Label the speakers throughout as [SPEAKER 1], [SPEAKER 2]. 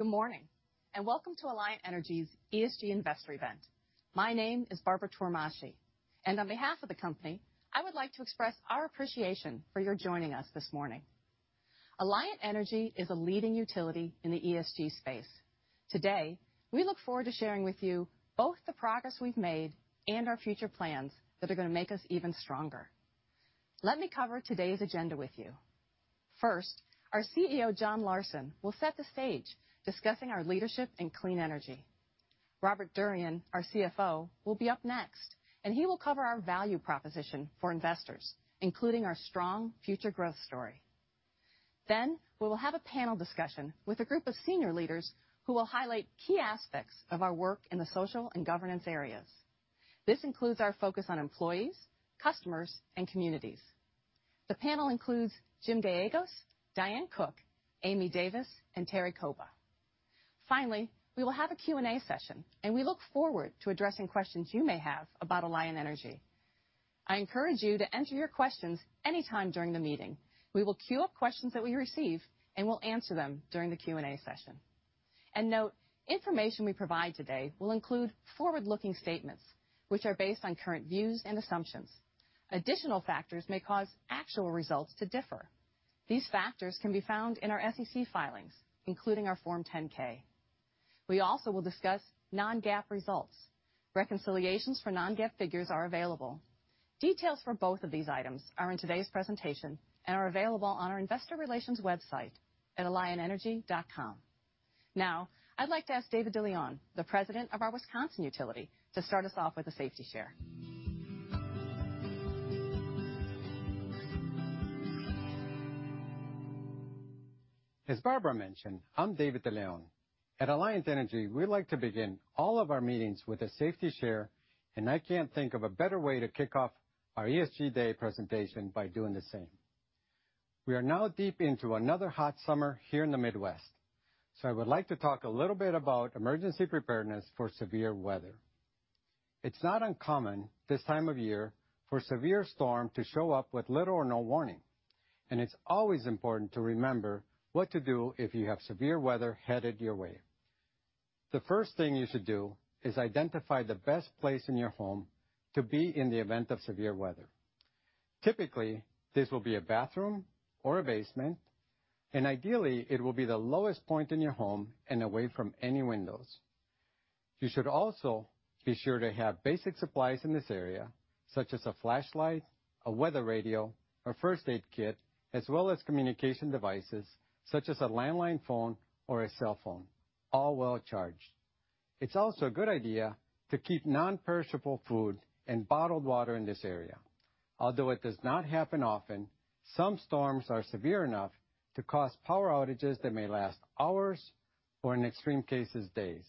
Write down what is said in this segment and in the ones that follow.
[SPEAKER 1] Good morning, and welcome to Alliant Energy's ESG Investor event. My name is Barbara Tormaschy, and on behalf of the company, I would like to express our appreciation for your joining us this morning. Alliant Energy is a leading utility in the ESG space. Today, we look forward to sharing with you both the progress we've made and our future plans that are going to make us even stronger. Let me cover today's agenda with you. First, our CEO, John Larsen, will set the stage discussing our leadership in clean energy. Robert Durian, our CFO, will be up next, and he will cover our value proposition for investors, including our strong future growth story. We will have a panel discussion with a group of senior leaders who will highlight key aspects of our work in the social and governance areas. This includes our focus on employees, customers, and communities. The panel includes Jim Gallegos, Diane Cooke, Aimee Davis, and Terry Kouba. Finally, we will have a Q&A session. We look forward to addressing questions you may have about Alliant Energy. I encourage you to enter your questions any time during the meeting. We will queue up questions that we receive, and we'll answer them during the Q&A session. Note, information we provide today will include forward-looking statements, which are based on current views and assumptions. Additional factors may cause actual results to differ. These factors can be found in our SEC filings, including our Form 10-K. We also will discuss non-GAAP results. Reconciliations for non-GAAP figures are available. Details for both of these items are in today's presentation and are available on our investor relations website at alliantenergy.com. I'd like to ask David de Leon, the President of our Wisconsin utility, to start us off with a safety share.
[SPEAKER 2] As Barbara mentioned, I'm David de Leon. At Alliant Energy, we like to begin all of our meetings with a safety share, and I can't think of a better way to kick off our ESG Day presentation by doing the same. We are now deep into another hot summer here in the Midwest, so I would like to talk a little bit about emergency preparedness for severe weather. It's not uncommon this time of year for a severe storm to show up with little or no warning, and it's always important to remember what to do if you have severe weather headed your way. The first thing you should do is identify the best place in your home to be in the event of severe weather. Typically, this will be a bathroom or a basement, and ideally, it will be the lowest point in your home and away from any windows. You should also be sure to have basic supplies in this area, such as a flashlight, a weather radio, a first aid kit, as well as communication devices, such as a landline phone or a cell phone, all well-charged. It's also a good idea to keep non-perishable food and bottled water in this area. Although it does not happen often, some storms are severe enough to cause power outages that may last hours or, in extreme cases, days.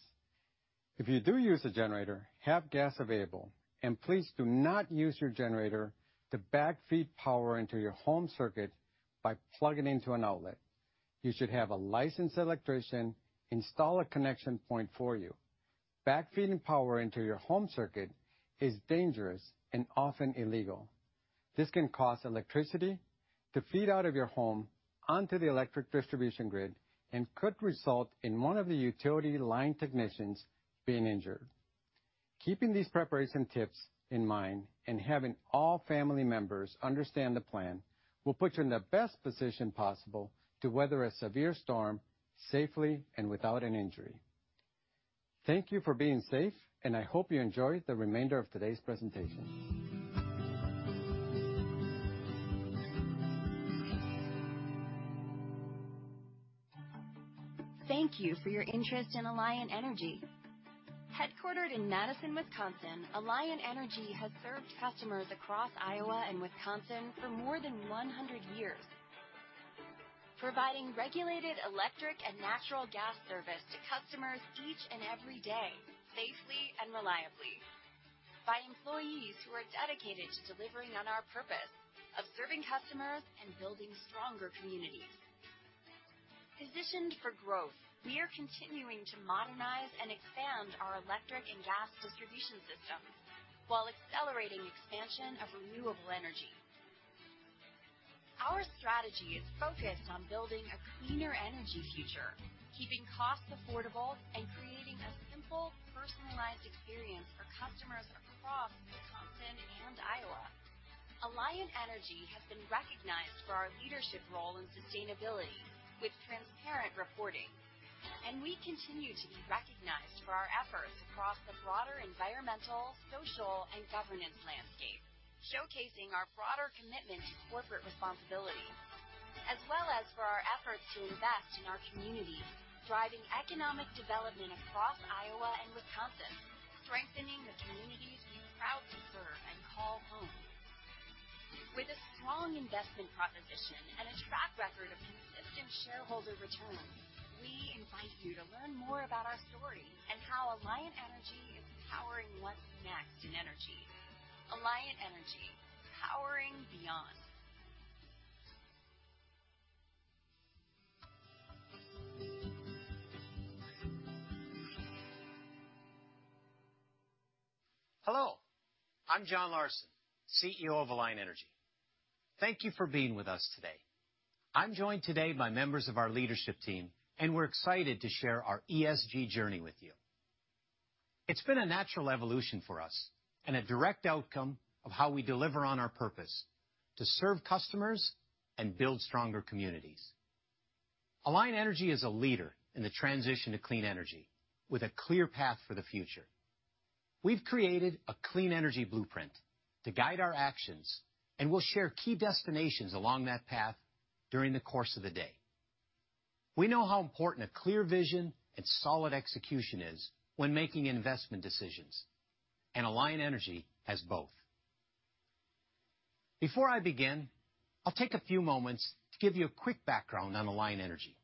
[SPEAKER 2] If you do use a generator, have gas available, and please do not use your generator to back-feed power into your home circuit by plugging into an outlet. You should have a licensed electrician install a connection point for you. Back-feeding power into your home circuit is dangerous and often illegal. This can cause electricity to feed out of your home onto the electric distribution grid and could result in one of the utility line technicians being injured. Keeping these preparation tips in mind and having all family members understand the plan will put you in the best position possible to weather a severe storm safely and without an injury. Thank you for being safe, and I hope you enjoy the remainder of today's presentation.
[SPEAKER 3] Thank you for your interest in Alliant Energy. Headquartered in Madison, Wisconsin, Alliant Energy has served customers across Iowa and Wisconsin for more than 100 years, providing regulated electric and natural gas service to customers each and every day, safely and reliably, by employees who are dedicated to delivering on our purpose of serving customers and building stronger communities. Positioned for growth, we are continuing to modernize and expand our electric and gas distribution systems while accelerating expansion of renewable energy. Our strategy is focused on building a cleaner energy future, keeping costs affordable, and creating a simple, personalized experience for customers across Wisconsin and Iowa. Alliant Energy has been recognized for our leadership role in sustainability with transparent reporting, and we continue to be recognized for our efforts across the broader environmental, social, and governance landscape, showcasing our broader commitment to corporate responsibility, as well as for our efforts to invest in our communities, driving economic development across Iowa and Wisconsin, strengthening the communities we're proud to serve and call home. With a strong investment proposition and a track record of consistent shareholder returns, we invite you to learn more about our story and how Alliant Energy is powering what's next in energy. Alliant Energy, powering beyond.
[SPEAKER 4] Hello. I'm John Larsen, CEO of Alliant Energy. Thank you for being with us today. I'm joined today by members of our leadership team, and we're excited to share our esg journey with you. It's been a natural evolution for us and a direct out come of how we deliver on our purpose to serve customers and build stronger communities. Alliant Energy is a leader in the transition to clean energy with a clear path for a future. We've created a Clean Energy Blueprint to guide our actions, and we'll share key destinations along that path during the course of the day. We know how important a clear vision and solid execution is when making investmern decisions. And Alliant Energy has both. Before I begin, I'll take a few moments to give you a quick background on the Alliant Energy.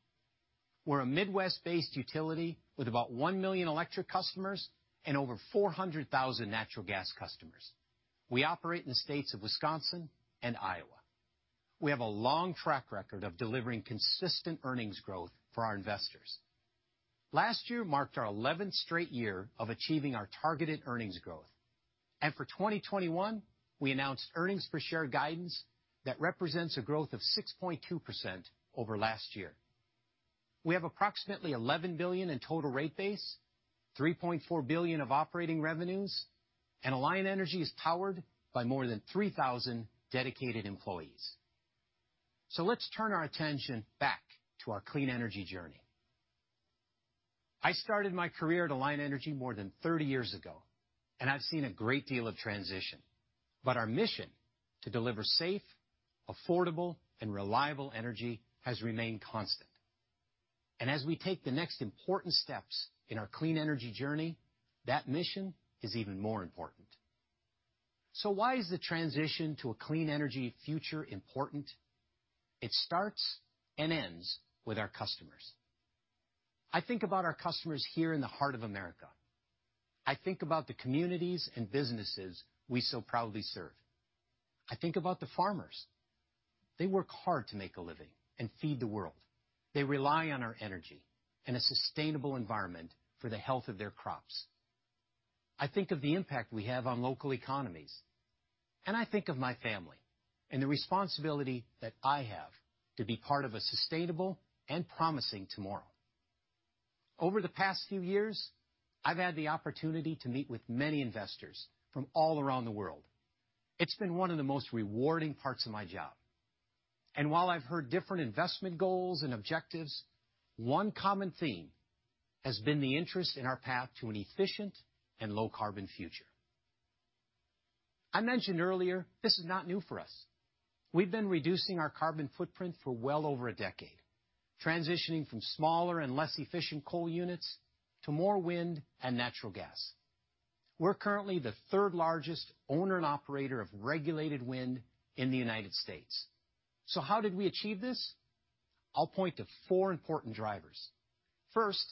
[SPEAKER 4] We're a Midwest based utility with about 1 million electric customers and over 400,000 natural gas customers. We operate states Wisconsin and Iowa. We have a long track record of delivering consistent earnings growth for our investors. Last year marked our 11th year of achieving our targeted earnings growth. And for 2021, we announced earnings for shared guidance that represents a growth of 6.2% ever last ear. We have approximately 11 billionin total rate base 3.4 billion of operating revenues, and Alliant Energy is towered by more thatn 3,000 dedicated employees. So, let's turn our attention back to our clean energy. I started my career to Alliant Energy more than 30 years ago, and I've seen a great deal of transition, but our mission to deliver safe, affordable, and reliable energy has remained constant. And as we take the next important steps in our clean energy journey, that mission is even more important. So, why the transition to a clean energy future important? It starts and ends with our customers. I think about and businesses we so proudly serve. I think about the farmers. They rely on our energy and a sustainable environmentfor the health of their crops. I think of the impact we have in loval economies. And i think of my family and the resposibility tat I have to be part o a sustainable and promising tomorrow. Over the past few years, I've had the oppurtunity to meet with many investors from all around the world. It's been one of the most rewarding parts of my job. And while I've heard different investments goals and objectives, one common thing. Has been the invest in our path to an efficient and low carbon future. I mentioned earlier. I mention earlier, this is not new for us. We've been reducing our carbon footprint for well over a decade transitioning from smaller and less efficient coal units to more wind and natural gas. We're currently the third largest owner and operator of regulated wind in the United States. So, how did we achieve this? I'll point to four important drivers. First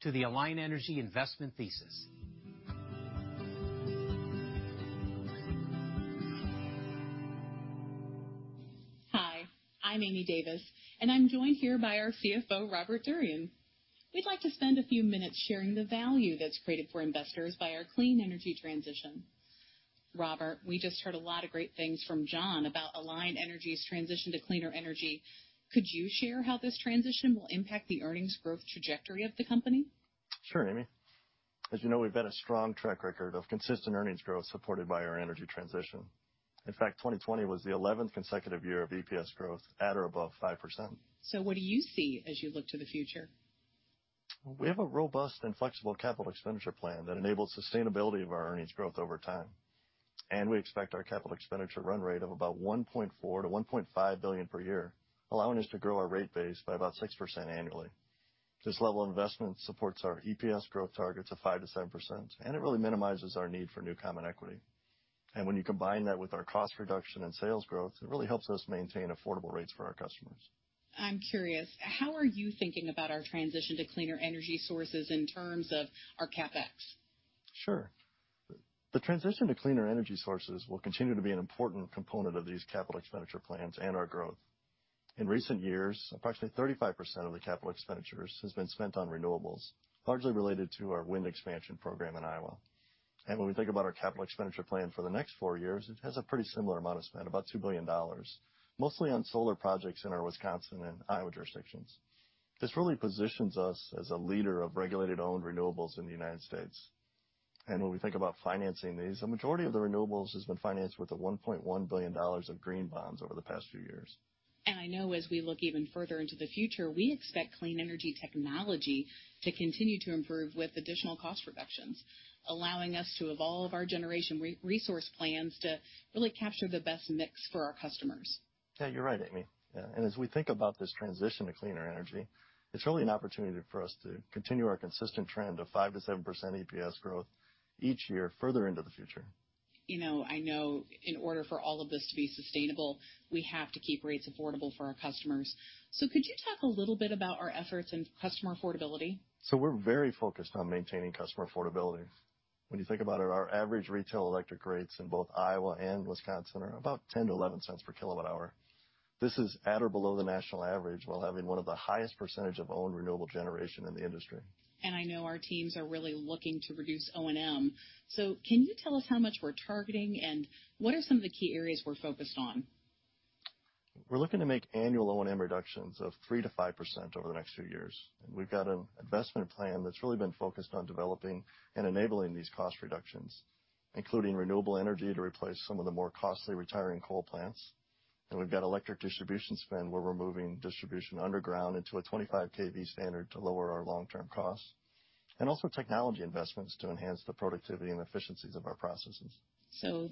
[SPEAKER 5] Hi, I'm Aimee Davis, and I'm joined here by our CFO, Robert Durian. We'd like to spend a few minutes sharing the value that's created for investors by our clean energy transition. Robert, we just heard a lot of great things from John Larsen about Alliant Energy's transition to cleaner energy. Could you share how this transition will impact the earnings growth trajectory of the company?
[SPEAKER 6] Sure, Aimee. As you know, we've had a strong track record of consistent earnings growth supported by our energy transition. In fact, 2020 was the 11th consecutive year of EPS growth at or above 5%.
[SPEAKER 5] What do you see as you look to the future?
[SPEAKER 6] We have a robust and flexible capital expenditure plan that enables sustainability of our earnings growth over time. We expect our capital expenditure run rate of about $1.4 billion to $1.5 billion per year, allowing us to grow our rate base by about 6% annually. This level of investment supports our EPS growth target to 5%-7%, and it really minimizes our need for new common equity. When you combine that with our cost reduction and sales growth, it really helps us maintain affordable rates for our customers.
[SPEAKER 5] I'm curious, how are you thinking about our transition to cleaner energy sources in terms of our CapEx?
[SPEAKER 6] Sure. The transition to cleaner energy sources will continue to be an important component of these capital expenditure plans and our growth. In recent years, approximately 35% of the capital expenditures has been spent on renewables, largely related to our wind expansion program in Iowa. When we think about our capital expenditure plan for the next four years, it has a pretty similar amount of spend, about $2 billion, mostly on solar projects in our Wisconsin and Iowa jurisdictions. This really positions us as a leader of regulated owned renewables in the United States. When we think about financing these, a majority of the renewables has been financed with the $1.1 billion of green bonds over the past few years.
[SPEAKER 5] I know as we look even further into the future, we expect clean energy technology to continue to improve with additional cost reductions, allowing us to evolve our generation resource plans to really capture the best mix for our customers.
[SPEAKER 6] Yeah, you're right, Aimee. As we think about this transition to cleaner energy, it's really an opportunity for us to continue our consistent trend of 5%-7% EPS growth each year further into the future.
[SPEAKER 5] I know in order for all of this to be sustainable, we have to keep rates affordable for our customers. Could you talk a little bit about our efforts in customer affordability?
[SPEAKER 6] We're very focused on maintaining customer affordability. When you think about it, our average retail electric rates in both Iowa and Wisconsin are about $0.10-$0.11 per kilowatt hour. This is at or below the national average while having one of the highest percentage of owned renewable generation in the industry.
[SPEAKER 5] I know our teams are really looking to reduce O&M. Can you tell us how much we're targeting, and what are some of the key areas we're focused on?
[SPEAKER 6] We're looking to make annual O&M reductions of 3%-5% over the next few years. We've got an investment plan that's really been focused on developing and enabling these cost reductions, including renewable energy to replace some of the more costly retiring coal plants. We've got electric distribution spend, where we're moving distribution underground into a 25 kV standard to lower our long-term costs, and also technology investments to enhance the productivity and efficiencies of our processes.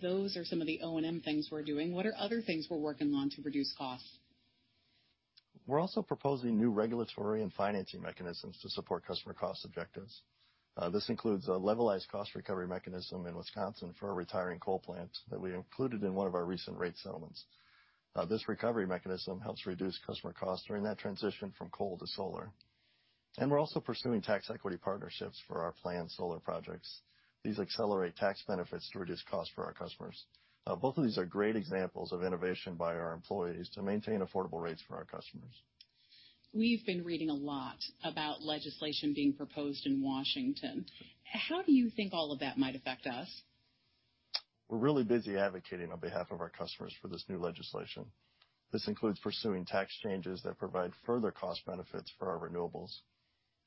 [SPEAKER 5] Those are some of the O&M things we're doing. What are other things we're working on to reduce costs?
[SPEAKER 6] We're also proposing new regulatory and financing mechanisms to support customer cost objectives. This includes a levelized cost recovery mechanism in Wisconsin for our retiring coal plant that we included in one of our recent rate settlements. This recovery mechanism helps reduce customer costs during that transition from coal to solar. We're also pursuing tax equity partnerships for our planned solar projects. These accelerate tax benefits to reduce costs for our customers. Both of these are great examples of innovation by our employees to maintain affordable rates for our customers.
[SPEAKER 5] We've been reading a lot about legislation being proposed in Washington. How do you think all of that might affect us?
[SPEAKER 6] We're really busy advocating on behalf of our customers for this new legislation. This includes pursuing tax changes that provide further cost benefits for our renewables.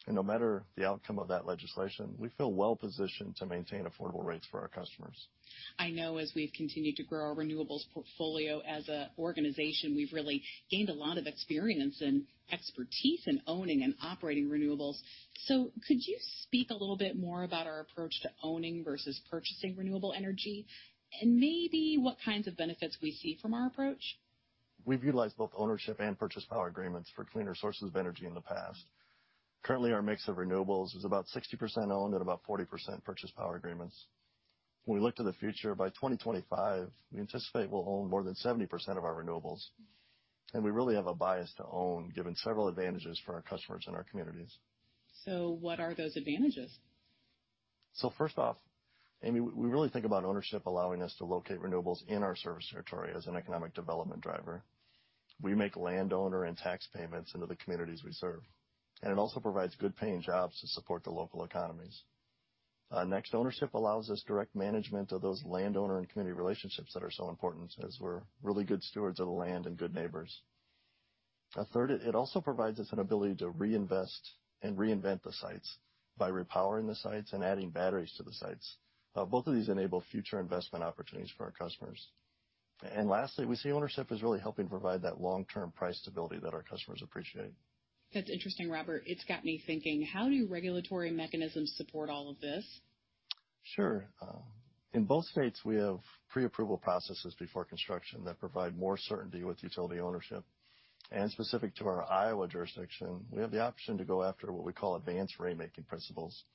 [SPEAKER 6] No matter the outcome of that legislation, we feel well-positioned to maintain affordable rates for our customers.
[SPEAKER 5] I know as we've continued to grow our renewables portfolio as an organization, we've really gained a lot of experience and expertise in owning and operating renewables. Could you speak a little bit more about our approach to owning versus purchasing renewable energy, and maybe what kinds of benefits we see from our approach?
[SPEAKER 6] We've utilized both ownership and purchase power agreements for cleaner sources of energy in the past. Currently, our mix of renewables is about 60% owned and about 40% purchase power agreements. When we look to the future, by 2025, we anticipate we'll own more than 70% of our renewables, and we really have a bias to own, given several advantages for our customers and our communities.
[SPEAKER 5] What are those advantages?
[SPEAKER 6] First off, Aimee, we really think about ownership allowing us to locate renewables in our service territory as an economic development driver. We make landowner and tax payments into the communities we serve, and it also provides good-paying jobs to support the local economies. Next, ownership allows us direct management of those landowner and community relationships that are so important, as we're really good stewards of the land and good neighbors. Third, it also provides us an ability to reinvest and reinvent the sites by repowering the sites and adding batteries to the sites. Both of these enable future investment opportunities for our customers. Lastly, we see ownership is really helping provide that long-term price stability that our customers appreciate.
[SPEAKER 5] That's interesting, Robert. It's got me thinking, how do regulatory mechanisms support all of this?
[SPEAKER 6] Sure. In both states, we have pre-approval processes before construction that provide more certainty with utility ownership. Specific to our Iowa jurisdiction, we have the option to go after what we call advanced ratemaking principles.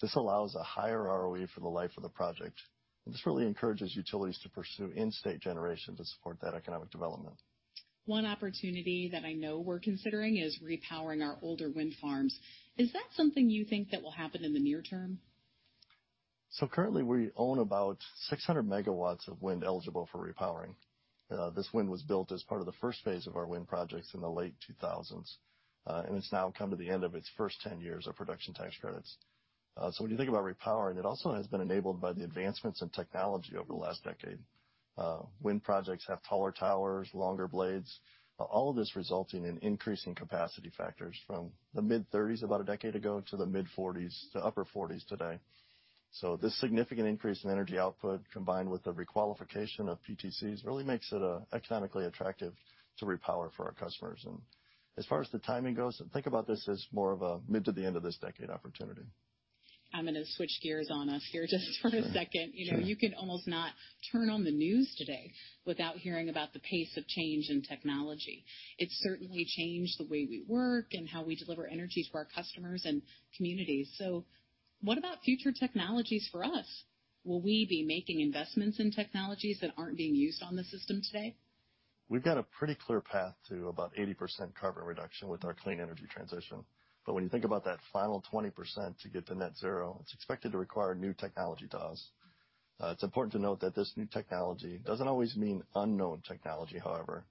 [SPEAKER 6] This allows a higher ROE for the life of the project, and this really encourages utilities to pursue in-state generation to support that economic development.
[SPEAKER 5] One opportunity that I know we're considering is repowering our older wind farms. Is that something you think that will happen in the near term?
[SPEAKER 6] Currently, we own about 600 MW of wind eligible for repowering. This wind was built as part of the first phase of our wind projects in the late 2000s, and it's now come to the end of its first 10 years of Production Tax Credits. When you think about repowering, it also has been enabled by the advancements in technology over the last decade. Wind projects have taller towers, longer blades, all of this resulting in increasing capacity factors from the mid-30s about a decade ago to the mid-40s to upper 40s today. This significant increase in energy output, combined with the requalification of PTCs, really makes it economically attractive to repower for our customers. As far as the timing goes, think about this as more of a mid to the end of this decade opportunity.
[SPEAKER 5] I'm going to switch gears on us here just for a second.
[SPEAKER 6] Sure.
[SPEAKER 5] You can almost not turn on the news today without hearing about the pace of change in technology. It's certainly changed the way we work and how we deliver energy to our customers and communities. What about future technologies for us? Will we be making investments in technologies that aren't being used on the system today?
[SPEAKER 6] We've got a pretty clear path to about 80% carbon reduction with our clean energy transition. When you think about that final 20% to get to net zero, it's expected to require new technology to us. It's important to note that this new technology doesn't always mean unknown technology, however.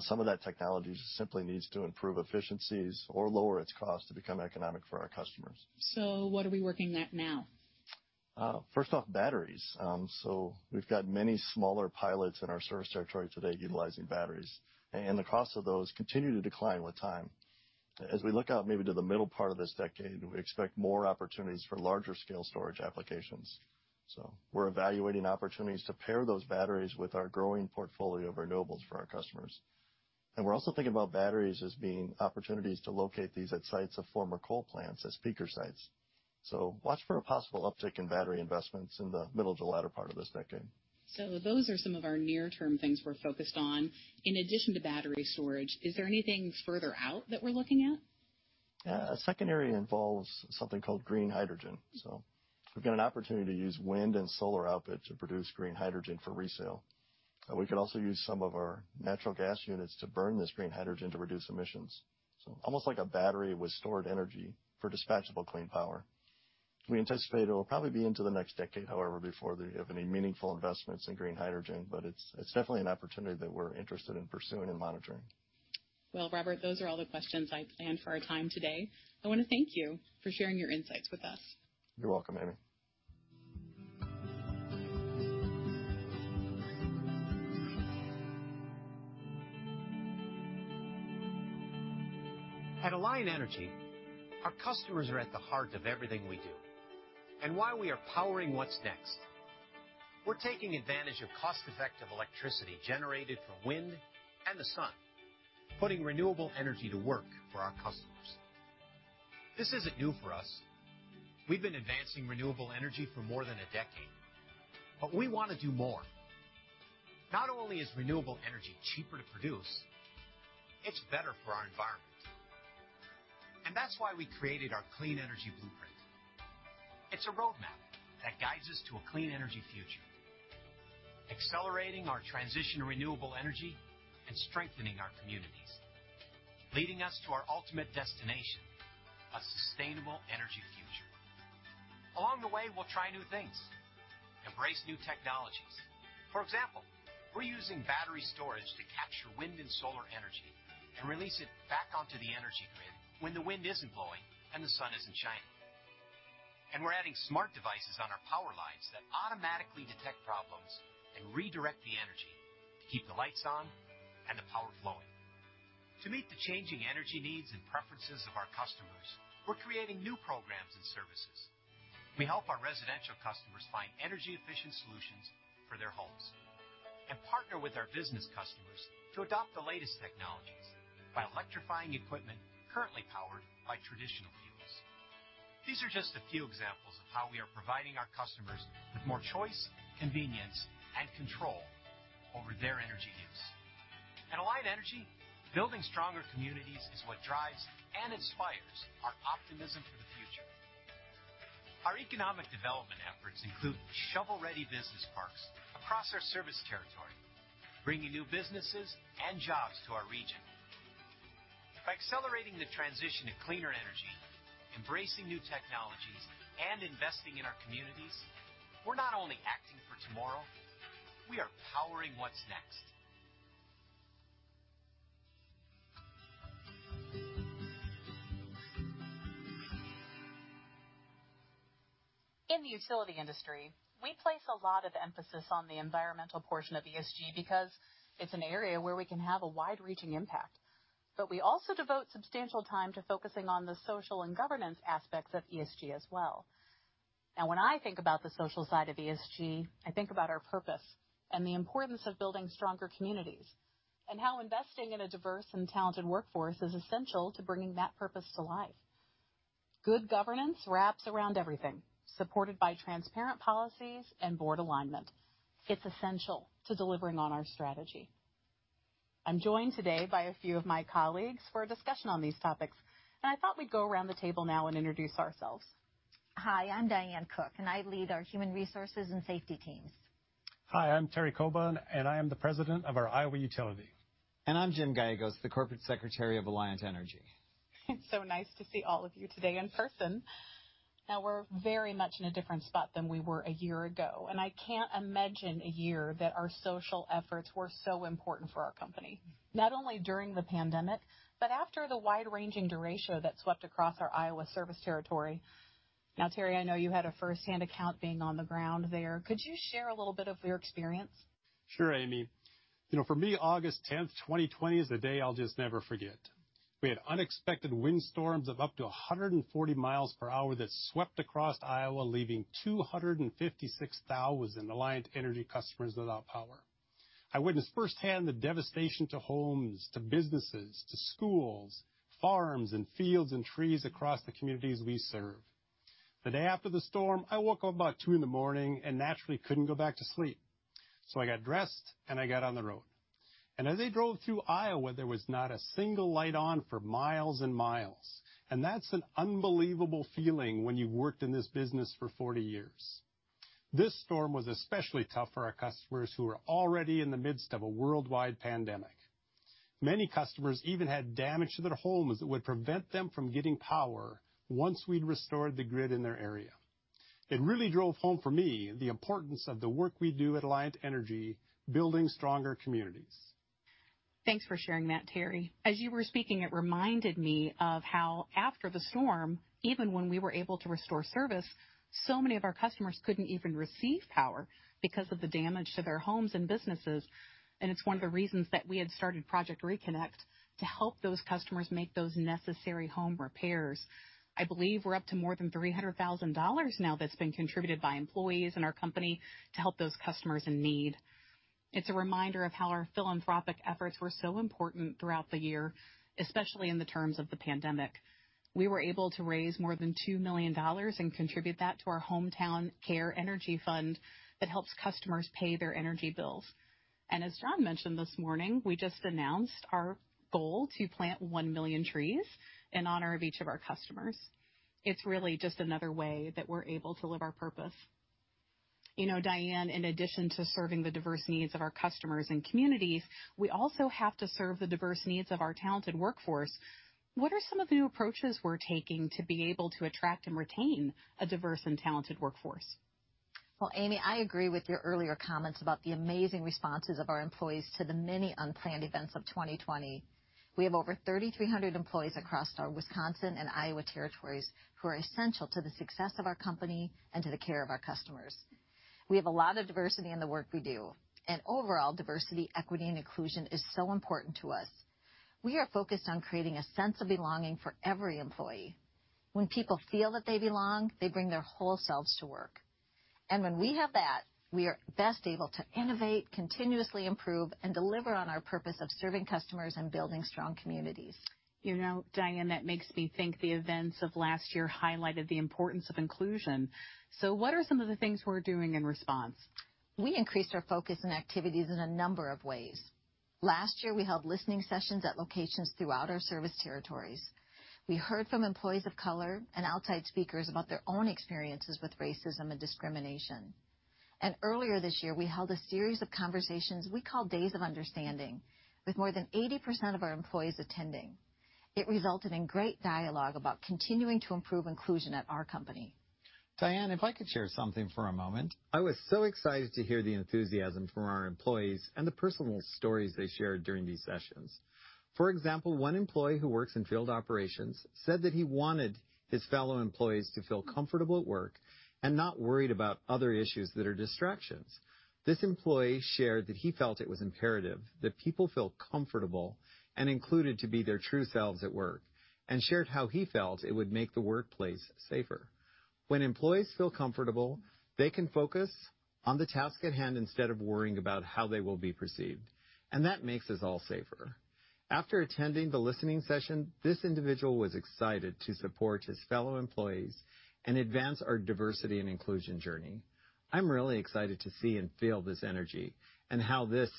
[SPEAKER 6] Some of that technology simply needs to improve efficiencies or lower its cost to become economic for our customers.
[SPEAKER 5] What are we working at now?
[SPEAKER 6] First off, batteries. We've got many smaller pilots in our service territory today utilizing batteries, and the cost of those continue to decline with time. As we look out maybe to the middle part of this decade, we expect more opportunities for larger scale storage applications. We're evaluating opportunities to pair those batteries with our growing portfolio of renewables for our customers. We're also thinking about batteries as being opportunities to locate these at sites of former coal plants as peaker sites. Watch for a possible uptick in battery investments in the middle to the latter part of this decade.
[SPEAKER 5] Those are some of our near-term things we're focused on. In addition to battery storage, is there anything further out that we're looking at?
[SPEAKER 6] Yeah. A second area involves something called green hydrogen. We've got an opportunity to use wind and solar output to produce green hydrogen for resale. We could also use some of our natural gas units to burn this green hydrogen to reduce emissions. Almost like a battery with stored energy for dispatchable clean power. We anticipate it'll probably be into the next decade, however, before they have any meaningful investments in green hydrogen, but it's definitely an opportunity that we're interested in pursuing and monitoring.
[SPEAKER 5] Well, Robert, those are all the questions I planned for our time today. I want to thank you for sharing your insights with us.
[SPEAKER 6] You're welcome, Aimee.
[SPEAKER 4] At Alliant Energy, our customers are at the heart of everything we do and why we are powering what's next. We're taking advantage of cost-effective electricity generated from wind and the sun, putting renewable energy to work for our customers. This isn't new for us. We've been advancing renewable energy for more than a decade, but we want to do more. Not only is renewable energy cheaper to produce, it's better for our environment. That's why we created our Clean Energy Blueprint. It's a roadmap that guides us to a clean energy future, accelerating our transition to renewable energy and strengthening our communities, leading us to our ultimate destination, a sustainable energy future. Along the way, we'll try new things, embrace new technologies. For example, we're using battery storage to capture wind and solar energy and release it back onto the energy grid when the wind isn't blowing and the sun isn't shining. We're adding smart devices on our power lines that automatically detect problems and redirect the energy to keep the lights on and the power flowing. To meet the changing energy needs and preferences of our customers, we're creating new programs and services. We help our residential customers find energy-efficient solutions for their homes and partner with our business customers to adopt the latest technologies by electrifying equipment currently powered by traditional fuels. These are just a few examples of how we are providing our customers with more choice, convenience, and control over their energy use. At Alliant Energy, building stronger communities is what drives and inspires our optimism for the future. Our economic development efforts include shovel-ready business parks across our service territory, bringing new businesses and jobs to our region. By accelerating the transition to cleaner energy, embracing new technologies, and investing in our communities, we're not only acting for tomorrow, we are powering what's next.
[SPEAKER 3] In the utility industry, we place a lot of emphasis on the environmental portion of ESG because it's an area where we can have a wide-reaching impact. We also devote substantial time to focusing on the social and governance aspects of ESG as well. When I think about the social side of ESG, I think about our purpose and the importance of building stronger communities, and how investing in a diverse and talented workforce is essential to bringing that purpose to life. Good governance wraps around everything, supported by transparent policies and board alignment. It's essential to delivering on our strategy.
[SPEAKER 5] I'm joined today by a few of my colleagues for a discussion on these topics, and I thought we'd go around the table now and introduce ourselves.
[SPEAKER 7] Hi, I'm Diane Cooke, and I lead our human resources and safety teams.
[SPEAKER 8] Hi, I'm Terry Kouba, and I am the president of our Iowa utility.
[SPEAKER 9] I'm Jim Gallegos, the Corporate Secretary of Alliant Energy.
[SPEAKER 5] It's so nice to see all of you today in person. We're very much in a different spot than we were a year ago, and I can't imagine a year that our social efforts were so important for our company, not only during the pandemic, but after the wide-ranging derecho that swept across our Iowa service territory. Terry, I know you had a first-hand account being on the ground there. Could you share a little bit of your experience?
[SPEAKER 8] Sure, Aimee. For me, August 10th, 2020 is the day I'll just never forget. We had unexpected windstorms of up to 140 mi per hour that swept across Iowa, leaving 256,000 Alliant Energy customers without power. I witnessed firsthand the devastation to homes, to businesses, to schools, farms, and fields and trees across the communities we serve. The day after the storm, I woke up about 2:00 A.M. and naturally couldn't go back to sleep. I got dressed, and I got on the road. As I drove through Iowa, there was not a single light on for miles and miles. That's an unbelievable feeling when you've worked in this business for 40 years. This storm was especially tough for our customers who were already in the midst of a worldwide pandemic. Many customers even had damage to their homes that would prevent them from getting power once we'd restored the grid in their area. It really drove home for me the importance of the work we do at Alliant Energy, building stronger communities.
[SPEAKER 5] Thanks for sharing that, Terry. As you were speaking, it reminded me of how after the storm, even when we were able to restore service, so many of our customers couldn't even receive power because of the damage to their homes and businesses. It's one of the reasons that we had started Project ReConnect to help those customers make those necessary home repairs. I believe we're up to more than $300,000 now that's been contributed by employees and our company to help those customers in need. It's a reminder of how our philanthropic efforts were so important throughout the year, especially in the terms of the pandemic. We were able to raise more than $2 million and contribute that to our Hometown Care Energy Fund that helps customers pay their energy bills. As John mentioned this morning, we just announced our goal to plant one million trees in honor of each of our customers. It's really just another way that we're able to live our purpose. Diane, in addition to serving the diverse needs of our customers and communities, we also have to serve the diverse needs of our talented workforce. What are some of the new approaches we're taking to be able to attract and retain a diverse and talented workforce?
[SPEAKER 7] Amie, I agree with your earlier comments about the amazing responses of our employees to the many unplanned events of 2020. We have over 3,300 employees across our Wisconsin and Iowa territories who are essential to the success of our company and to the care of our customers. We have a lot of diversity in the work we do, overall diversity, equity, and inclusion is so important to us. We are focused on creating a sense of belonging for every employee. When people feel that they belong, they bring their whole selves to work. When we have that, we are best able to innovate, continuously improve, and deliver on our purpose of serving customers and building strong communities.
[SPEAKER 5] Diane, that makes me think the events of last year highlighted the importance of inclusion. What are some of the things we're doing in response?
[SPEAKER 7] We increased our focus and activities in a number of ways. Last year, we held listening sessions at locations throughout our service territories. We heard from employees of color and outside speakers about their own experiences with racism and discrimination. Earlier this year, we held a series of conversations we call Days of Understanding, with more than 80% of our employees attending. It resulted in great dialogue about continuing to improve inclusion at our company.
[SPEAKER 9] Diane, if I could share something for a moment. I was so excited to hear the enthusiasm from our employees and the personal stories they shared during these sessions. For example, one employee who works in field operations said that he wanted his fellow employees to feel comfortable at work and not worried about other issues that are distractions. This employee shared that he felt it was imperative that people feel comfortable and included to be their true selves at work, and shared how he felt it would make the workplace safer. When employees feel comfortable, they can focus on the task at hand instead of worrying about how they will be perceived, and that makes us all safer. After attending the listening session, this individual was excited to support his fellow employees and advance our diversity and inclusion journey. I'm really excited to see and feel this energy and how this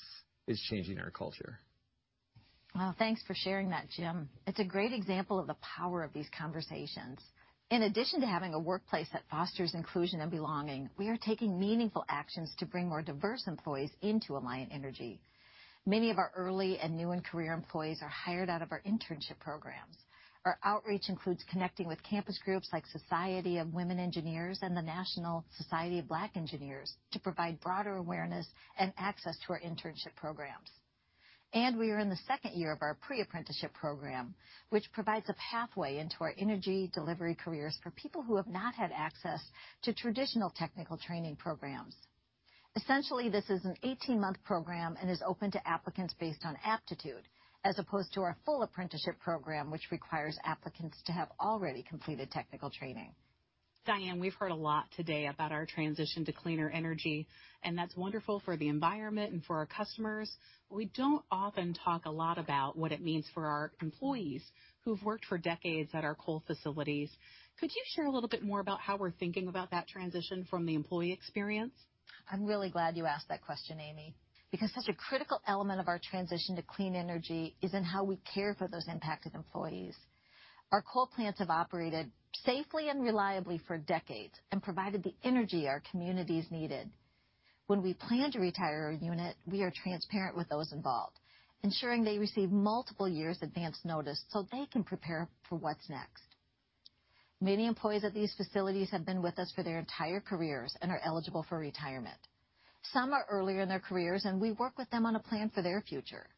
[SPEAKER 9] is changing our culture.
[SPEAKER 7] Well, thanks for sharing that, Jim. It's a great example of the power of these conversations. In addition to having a workplace that fosters inclusion and belonging, we are taking meaningful actions to bring more diverse employees into Alliant Energy. Many of our early and new in career employees are hired out of our internship programs. Our outreach includes connecting with campus groups like Society of Women Engineers and the National Society of Black Engineers to provide broader awareness and access to our internship programs. We are in the second year of our pre-apprenticeship program, which provides a pathway into our energy delivery careers for people who have not had access to traditional technical training programs. Essentially, this is an 18-month program and is open to applicants based on aptitude, as opposed to our full apprenticeship program, which requires applicants to have already completed technical training.
[SPEAKER 5] Diane, we've heard a lot today about our transition to cleaner energy, and that's wonderful for the environment and for our customers. We don't often talk a lot about what it means for our employees who've worked for decades at our coal facilities. Could you share a little bit more about how we're thinking about that transition from the employee experience?
[SPEAKER 7] I'm really glad you asked that question, Aimee, because such a critical element of our transition to clean energy is in how we care for those impacted employees. Our coal plants have operated safely and reliably for decades and provided the energy our communities needed. When we plan to retire a unit, we are transparent with those involved, ensuring they receive multiple years advance notice so they can prepare for what's next. Many employees at these facilities have been with us for their entire careers and are eligible for retirement. Some are earlier in their careers, and we work with them on a plan for their future.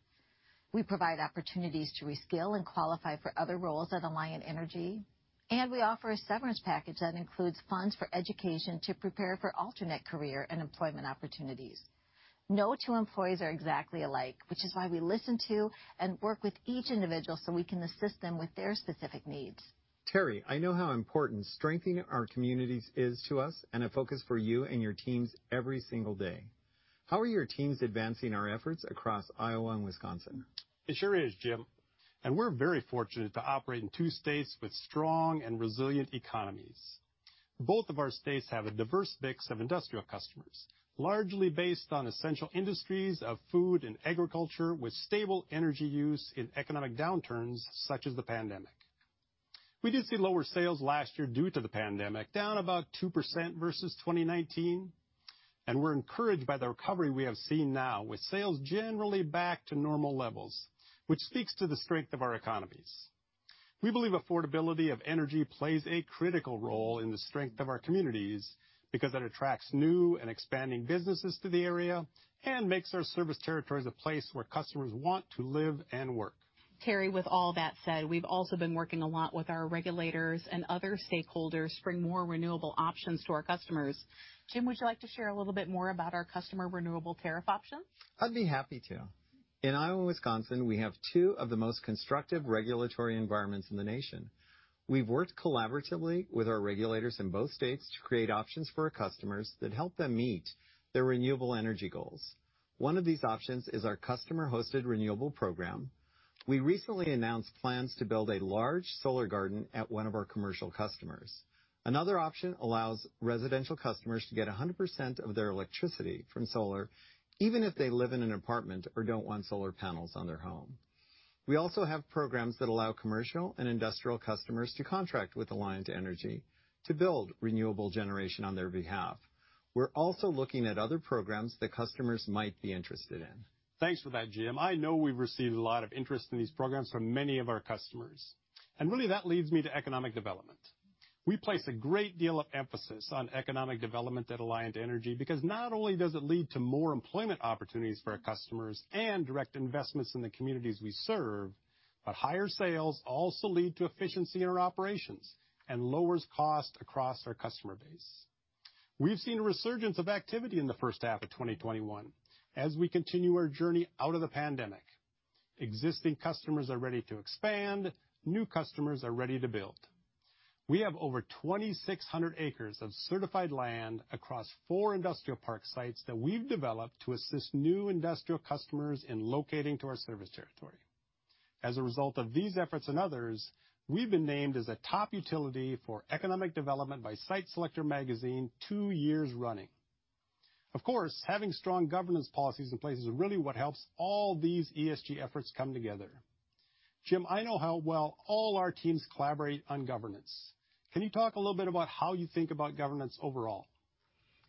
[SPEAKER 7] We provide opportunities to reskill and qualify for other roles at Alliant Energy, and we offer a severance package that includes funds for education to prepare for alternate career and employment opportunities. No two employees are exactly alike, which is why we listen to and work with each individual so we can assist them with their specific needs.
[SPEAKER 9] Terry, I know how important strengthening our communities is to us and a focus for you and your teams every single day. How are your teams advancing our efforts across Iowa and Wisconsin?
[SPEAKER 8] It sure is, Jim, and we're very fortunate to operate in two states with strong and resilient economies. Both of our states have a diverse mix of industrial customers, largely based on essential industries of food and agriculture with stable energy use in economic downturns such as the pandemic. We did see lower sales last year due to the pandemic, down about 2% versus 2019, and we're encouraged by the recovery we have seen now with sales generally back to normal levels, which speaks to the strength of our economies. We believe affordability of energy plays a critical role in the strength of our communities because it attracts new and expanding businesses to the area and makes our service territories a place where customers want to live and work.
[SPEAKER 5] Terry, with all that said, we've also been working a lot with our regulators and other stakeholders to bring more renewable options to our customers. Jim, would you like to share a little bit more about our customer renewable tariff options?
[SPEAKER 9] I'd be happy to. In Iowa and Wisconsin, we have two of the most constructive regulatory environments in the nation. We've worked collaboratively with our regulators in both states to create options for our customers that help them meet their renewable energy goals. One of these options is our customer-hosted renewable program. We recently announced plans to build a large solar garden at one of our commercial customers. Another option allows residential customers to get 100% of their electricity from solar, even if they live in an apartment or don't want solar panels on their home. We also have programs that allow commercial and industrial customers to contract with Alliant Energy to build renewable generation on their behalf. We're also looking at other programs that customers might be interested in.
[SPEAKER 8] Thanks for that, Jim. I know we've received a lot of interest in these programs from many of our customers. Really that leads me to economic development. We place a great deal of emphasis on economic development at Alliant Energy because not only does it lead to more employment opportunities for our customers and direct investments in the communities we serve, but higher sales also lead to efficiency in our operations and lowers cost across our customer base. We've seen a resurgence of activity in the first half of 2021 as we continue our journey out of the pandemic. Existing customers are ready to expand, new customers are ready to build. We have over 2,600 acres of certified land across four industrial park sites that we've developed to assist new industrial customers in locating to our service territory. As a result of these efforts and others, we've been named as a top utility for economic development by Site Selection Magazine two years running. Of course, having strong governance policies in place is really what helps all these ESG efforts come together. Jim, I know how well all our teams collaborate on governance. Can you talk a little bit about how you think about governance overall?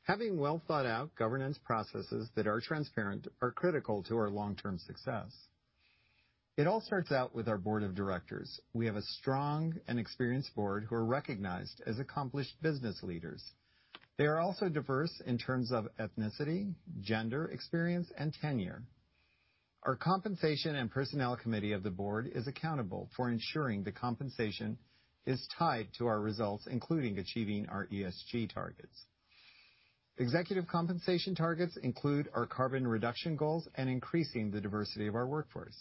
[SPEAKER 9] Having well-thought-out governance processes that are transparent are critical to our long-term success. It all starts out with our board of directors. We have a strong and experienced board who are recognized as accomplished business leaders. They are also diverse in terms of ethnicity, gender experience, and tenure. Our compensation and personnel committee of the board is accountable for ensuring the compensation is tied to our results, including achieving our ESG targets. Executive compensation targets include our carbon reduction goals and increasing the diversity of our workforce.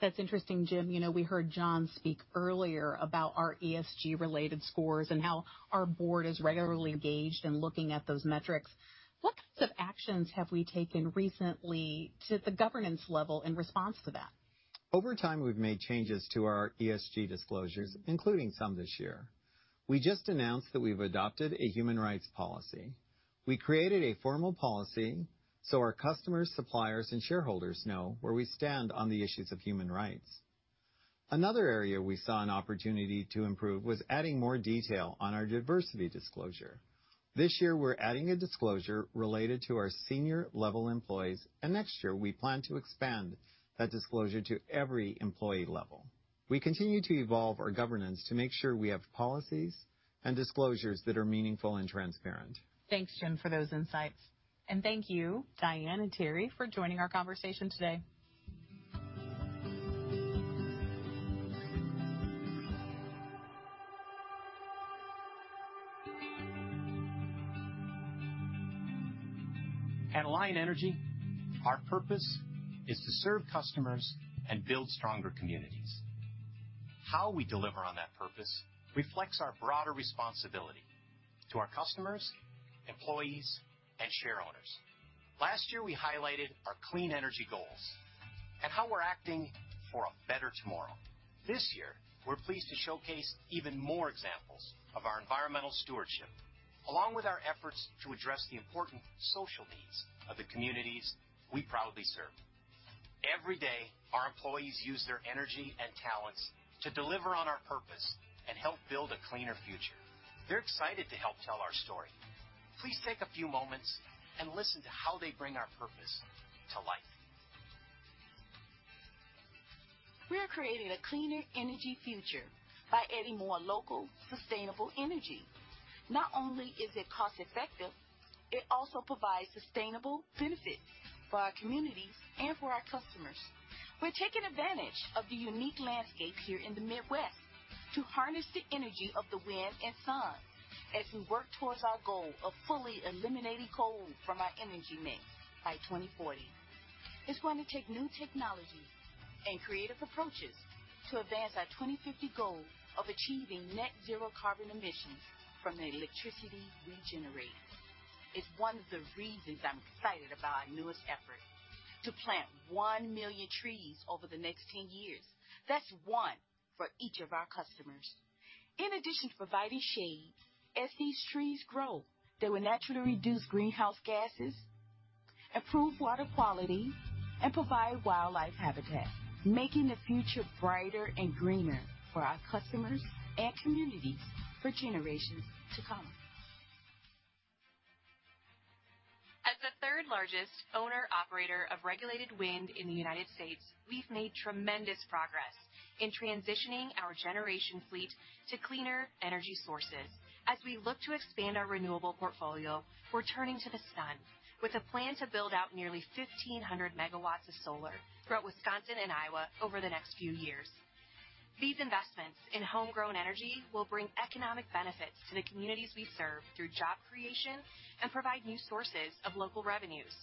[SPEAKER 5] That's interesting, Jim. We heard John speak earlier about our ESG-related scores and how our board is regularly engaged in looking at those metrics. What kinds of actions have we taken recently to the governance level in response to that?
[SPEAKER 9] Over time, we've made changes to our ESG disclosures, including some this year. We just announced that we've adopted a human rights policy. We created a formal policy so our customers, suppliers, and shareholders know where we stand on the issues of human rights. Another area we saw an opportunity to improve was adding more detail on our diversity disclosure. This year, we're adding a disclosure related to our senior-level employees, and next year, we plan to expand that disclosure to every employee level. We continue to evolve our governance to make sure we have policies and disclosures that are meaningful and transparent.
[SPEAKER 5] Thanks, Jim, for those insights. Thank you, Diane and Terry, for joining our conversation today.
[SPEAKER 10] At Alliant Energy, our purpose is to serve customers and build stronger communities. How we deliver on that purpose reflects our broader responsibility to our customers, employees, and shareholders. Last year, we highlighted our clean energy goals and how we're acting for a better tomorrow. This year, we're pleased to showcase even more examples of our environmental stewardship, along with our efforts to address the important social needs of the communities we proudly serve. Every day, our employees use their energy and talents to deliver on our purpose and help build a cleaner future. They're excited to help tell our story. Please take a few moments and listen to how they bring our purpose to life.
[SPEAKER 3] We're creating a cleaner energy future by adding more local, sustainable energy. Not only is it cost-effective, it also provides sustainable benefits for our communities and for our customers. We're taking advantage of the unique landscape here in the Midwest to harness the energy of the wind and sun as we work towards our goal of fully eliminating coal from our energy mix by 2040. It's going to take new technologies and creative approaches to advance our 2050 goal of achieving net zero carbon emissions from the electricity we generate. It's one of the reasons I'm excited about our newest effort to plant 1 million trees over the next 10 years. That's one for each of our customers. In addition to providing shade, as these trees grow, they will naturally reduce greenhouse gases, improve water quality, and provide wildlife habitat, making the future brighter and greener for our customers and communities for generations to come. As the third-largest owner-operator of regulated wind in the United States, we've made tremendous progress in transitioning our generation fleet to cleaner energy sources. As we look to expand our renewable portfolio, we're turning to the sun with a plan to build out nearly 1,500 MW of solar throughout Wisconsin and Iowa over the next few years. These investments in homegrown energy will bring economic benefits to the communities we serve through job creation and provide new sources of local revenues.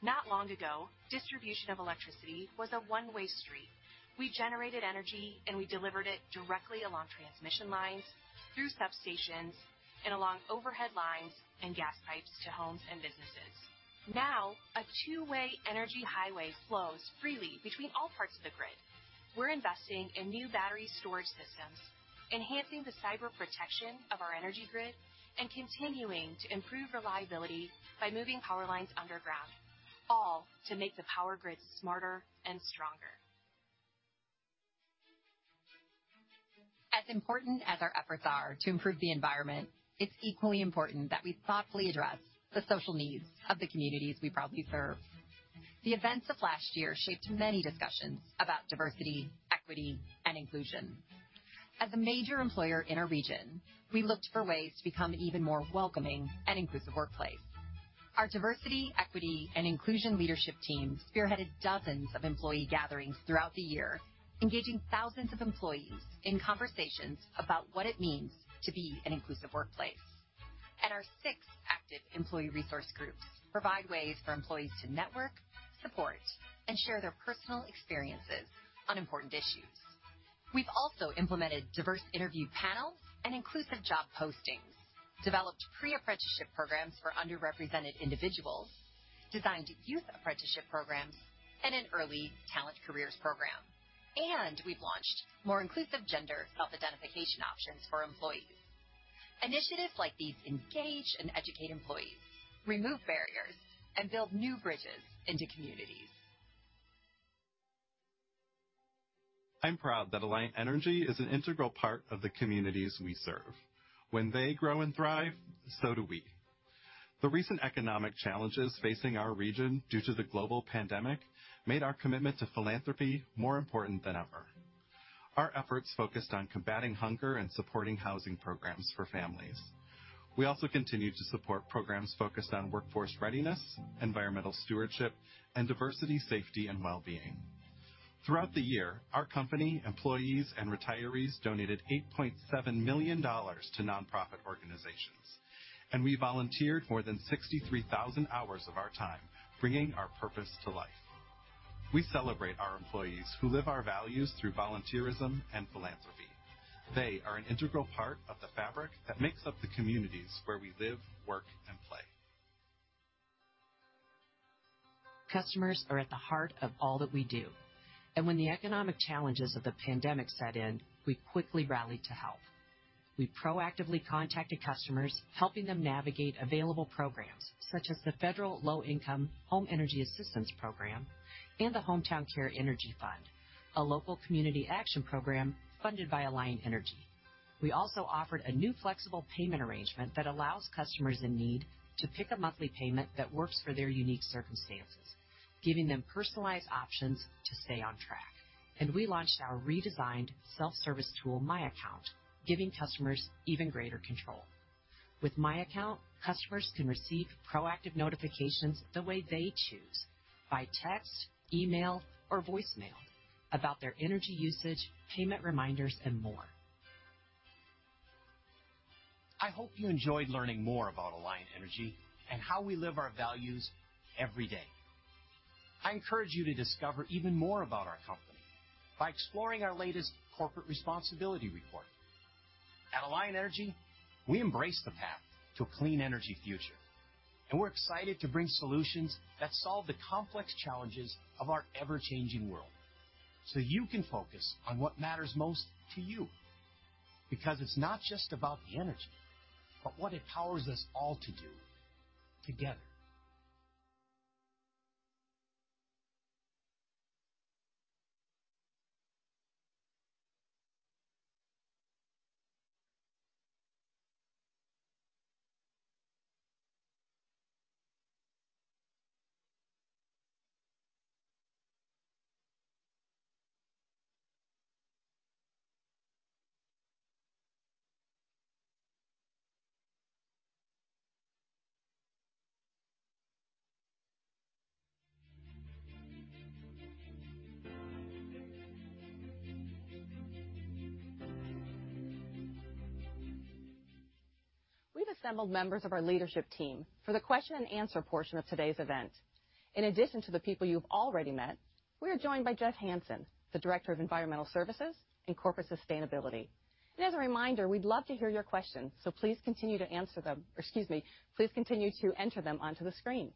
[SPEAKER 3] Not long ago, distribution of electricity was a one-way street. We generated energy, and we delivered it directly along transmission lines, through substations, and along overhead lines and gas pipes to homes and businesses. Now, a two-way energy highway flows freely between all parts of the grid. We're investing in new battery storage systems, enhancing the cyber protection of our energy grid, and continuing to improve reliability by moving power lines underground, all to make the power grid smarter and stronger. As important as our efforts are to improve the environment, it's equally important that we thoughtfully address the social needs of the communities we proudly serve. The events of last year shaped many discussions about diversity, equity, and inclusion. As a major employer in our region, we looked for ways to become an even more welcoming and inclusive workplace. Our diversity, equity, and inclusion leadership team spearheaded dozens of employee gatherings throughout the year, engaging thousands of employees in conversations about what it means to be an inclusive workplace. Our six active employee resource groups provide ways for employees to network, support, and share their personal experiences on important issues. We've also implemented diverse interview panels and inclusive job postings, developed pre-apprenticeship programs for underrepresented individuals, designed youth apprenticeship programs, and an early talent careers program. We've launched more inclusive gender self-identification options for employees. Initiatives like these engage and educate employees, remove barriers, and build new bridges into communities. I'm proud that Alliant Energy is an integral part of the communities we serve. When they grow and thrive, so do we. The recent economic challenges facing our region due to the global pandemic made our commitment to philanthropy more important than ever. Our efforts focused on combating hunger and supporting housing programs for families. We also continue to support programs focused on workforce readiness, environmental stewardship, and diversity, safety, and wellbeing. Throughout the year, our company, employees, and retirees donated $8.7 million to nonprofit organizations, and we volunteered more than 63,000 hours of our time bringing our purpose to life. We celebrate our employees who live our values through volunteerism and philanthropy. They are an integral part of the fabric that makes up the communities where we live, work, and play. Customers are at the heart of all that we do, and when the economic challenges of the pandemic set in, we quickly rallied to help. We proactively contacted customers, helping them navigate available programs such as the Federal Low Income Home Energy Assistance Program and the Hometown Care Energy Fund, a local community action program funded by Alliant Energy. We also offered a new flexible payment arrangement that allows customers in need to pick a monthly payment that works for their unique circumstances, giving them personalized options to stay on track. We launched our redesigned self-service tool, My Account, giving customers even greater control. With My Account, customers can receive proactive notifications the way they choose, by text, email, or voicemail, about their energy usage, payment reminders, and more.
[SPEAKER 4] I hope you enjoyed learning more about Alliant Energy and how we live our values every day. I encourage you to discover even more about our company by exploring our latest corporate responsibility report. At Alliant Energy, we embrace the path to a clean energy future, and we're excited to bring solutions that solve the complex challenges of our ever-changing world, so you can focus on what matters most to you. Because it's not just about the energy, but what it powers us all to do together.
[SPEAKER 1] We've assembled members of our leadership team for the question and answer portion of today's event. In addition to the people you've already met, we are joined by Jeff Hanson, the Director of Environmental Services and Corporate Sustainability. As a reminder, we'd love to hear your questions. Excuse me. Please continue to enter them onto the screen.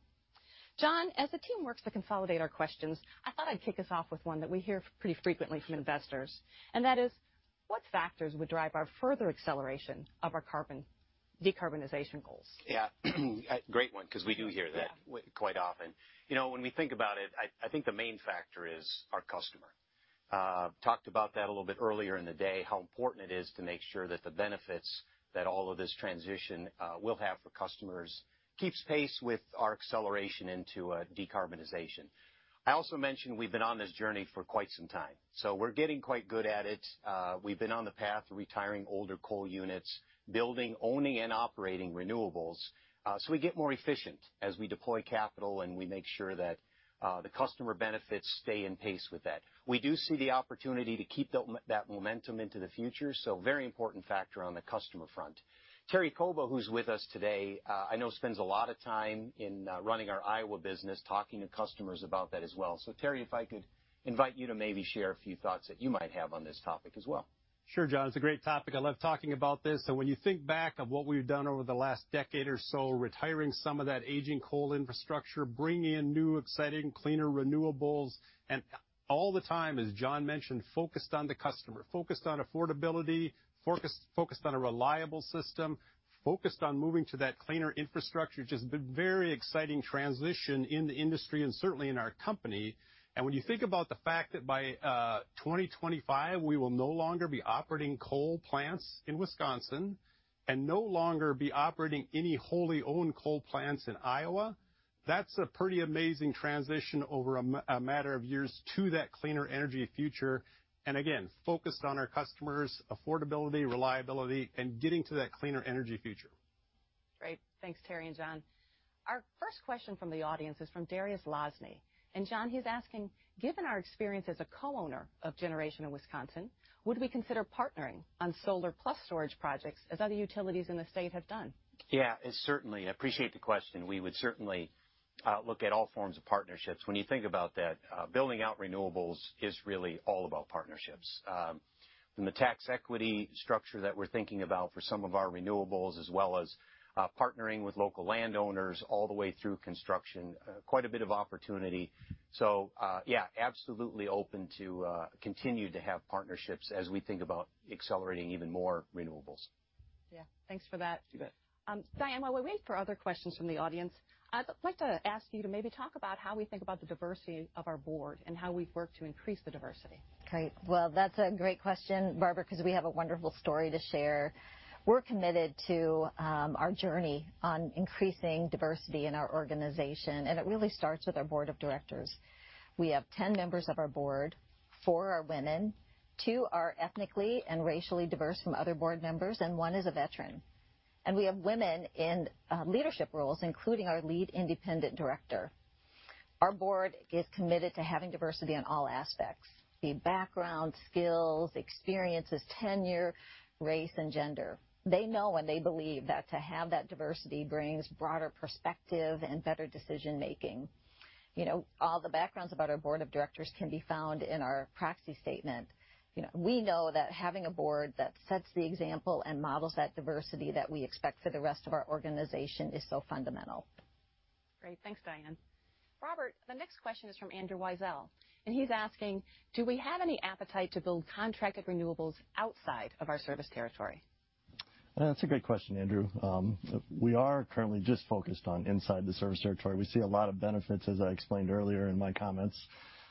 [SPEAKER 1] John, as the team works to consolidate our questions, I thought I'd kick us off with one that we hear pretty frequently from investors, and that is, what factors would drive our further acceleration of our decarbonization goals?
[SPEAKER 4] Yeah. Great one, because we do hear that.
[SPEAKER 1] Yeah
[SPEAKER 4] Quite often, when we think about it, I think the main factor is our customer. We talked about that a little bit earlier in the day, how important it is to make sure that the benefits that all of this transition will have for customers keeps pace with our acceleration into decarbonization. I also mentioned we've been on this journey for quite some time. We're getting quite good at it. We've been on the path to retiring older coal units, building, owning, and operating renewables. We get more efficient as we deploy capital, and we make sure that the customer benefits stay in pace with that. We do see the opportunity to keep that momentum into the future, so very important factor on the customer front. Terry Kouba, who is with us today, I know spends a lot of time in running our Iowa business, talking to customers about that as well. Terry, if I could invite you to maybe share a few thoughts that you might have on this topic as well.
[SPEAKER 8] Sure, John. It's a great topic. I love talking about this. When you think back on what we've done over the last decade or so, retiring some of that aging coal infrastructure, bring in new, exciting, cleaner renewables, and all the time, as John mentioned, focused on the customer, focused on affordability, focused on a reliable system, focused on moving to that cleaner infrastructure, just been very exciting transition in the industry and certainly in our company. When you think about the fact that by 2025, we will no longer be operating coal plants in Wisconsin and no longer be operating any wholly owned coal plants in Iowa, that's a pretty amazing transition over a matter of years to that cleaner energy future, and again, focused on our customers, affordability, reliability, and getting to that cleaner energy future.
[SPEAKER 1] Great. Thanks, Terry and John. Our first question from the audience is from Darius Losney. John, he's asking, given our experience as a co-owner of generation in Wisconsin, would we consider partnering on solar plus storage projects as other utilities in the state have done?
[SPEAKER 4] Yeah. I appreciate the question. We would certainly look at all forms of partnerships. When you think about that, building out renewables is really all about partnerships. From the tax equity structure that we're thinking about for some of our renewables, as well as partnering with local landowners all the way through construction, quite a bit of opportunity. Yeah, absolutely open to continue to have partnerships as we think about accelerating even more renewables.
[SPEAKER 1] Yeah. Thanks for that.
[SPEAKER 4] You bet.
[SPEAKER 1] Diane, while we wait for other questions from the audience, I'd like to ask you to maybe talk about how we think about the diversity of our board and how we've worked to increase the diversity.
[SPEAKER 7] Great. Well, that's a great question, Barbara, because we have a wonderful story to share. We're committed to our journey on increasing diversity in our organization. It really starts with our board of directors. We have 10 members of our board. Four are women, two are ethnically and racially diverse from other board members, and one is a veteran. We have women in leadership roles, including our lead independent director. Our board is committed to having diversity in all aspects, be it background, skills, experiences, tenure, race, and gender. They know and they believe that to have that diversity brings broader perspective and better decision-making. All the backgrounds about our board of directors can be found in our proxy statement. We know that having a board that sets the example and models that diversity that we expect for the rest of our organization is so fundamental.
[SPEAKER 1] Great. Thanks, Diane. Robert, the next question is from Andrew Weisel, and he's asking, do we have any appetite to build contracted renewables outside of our service territory?
[SPEAKER 6] That's a great question, Andrew Weisel. We are currently just focused on inside the service territory. We see a lot of benefits, as I explained earlier in my comments,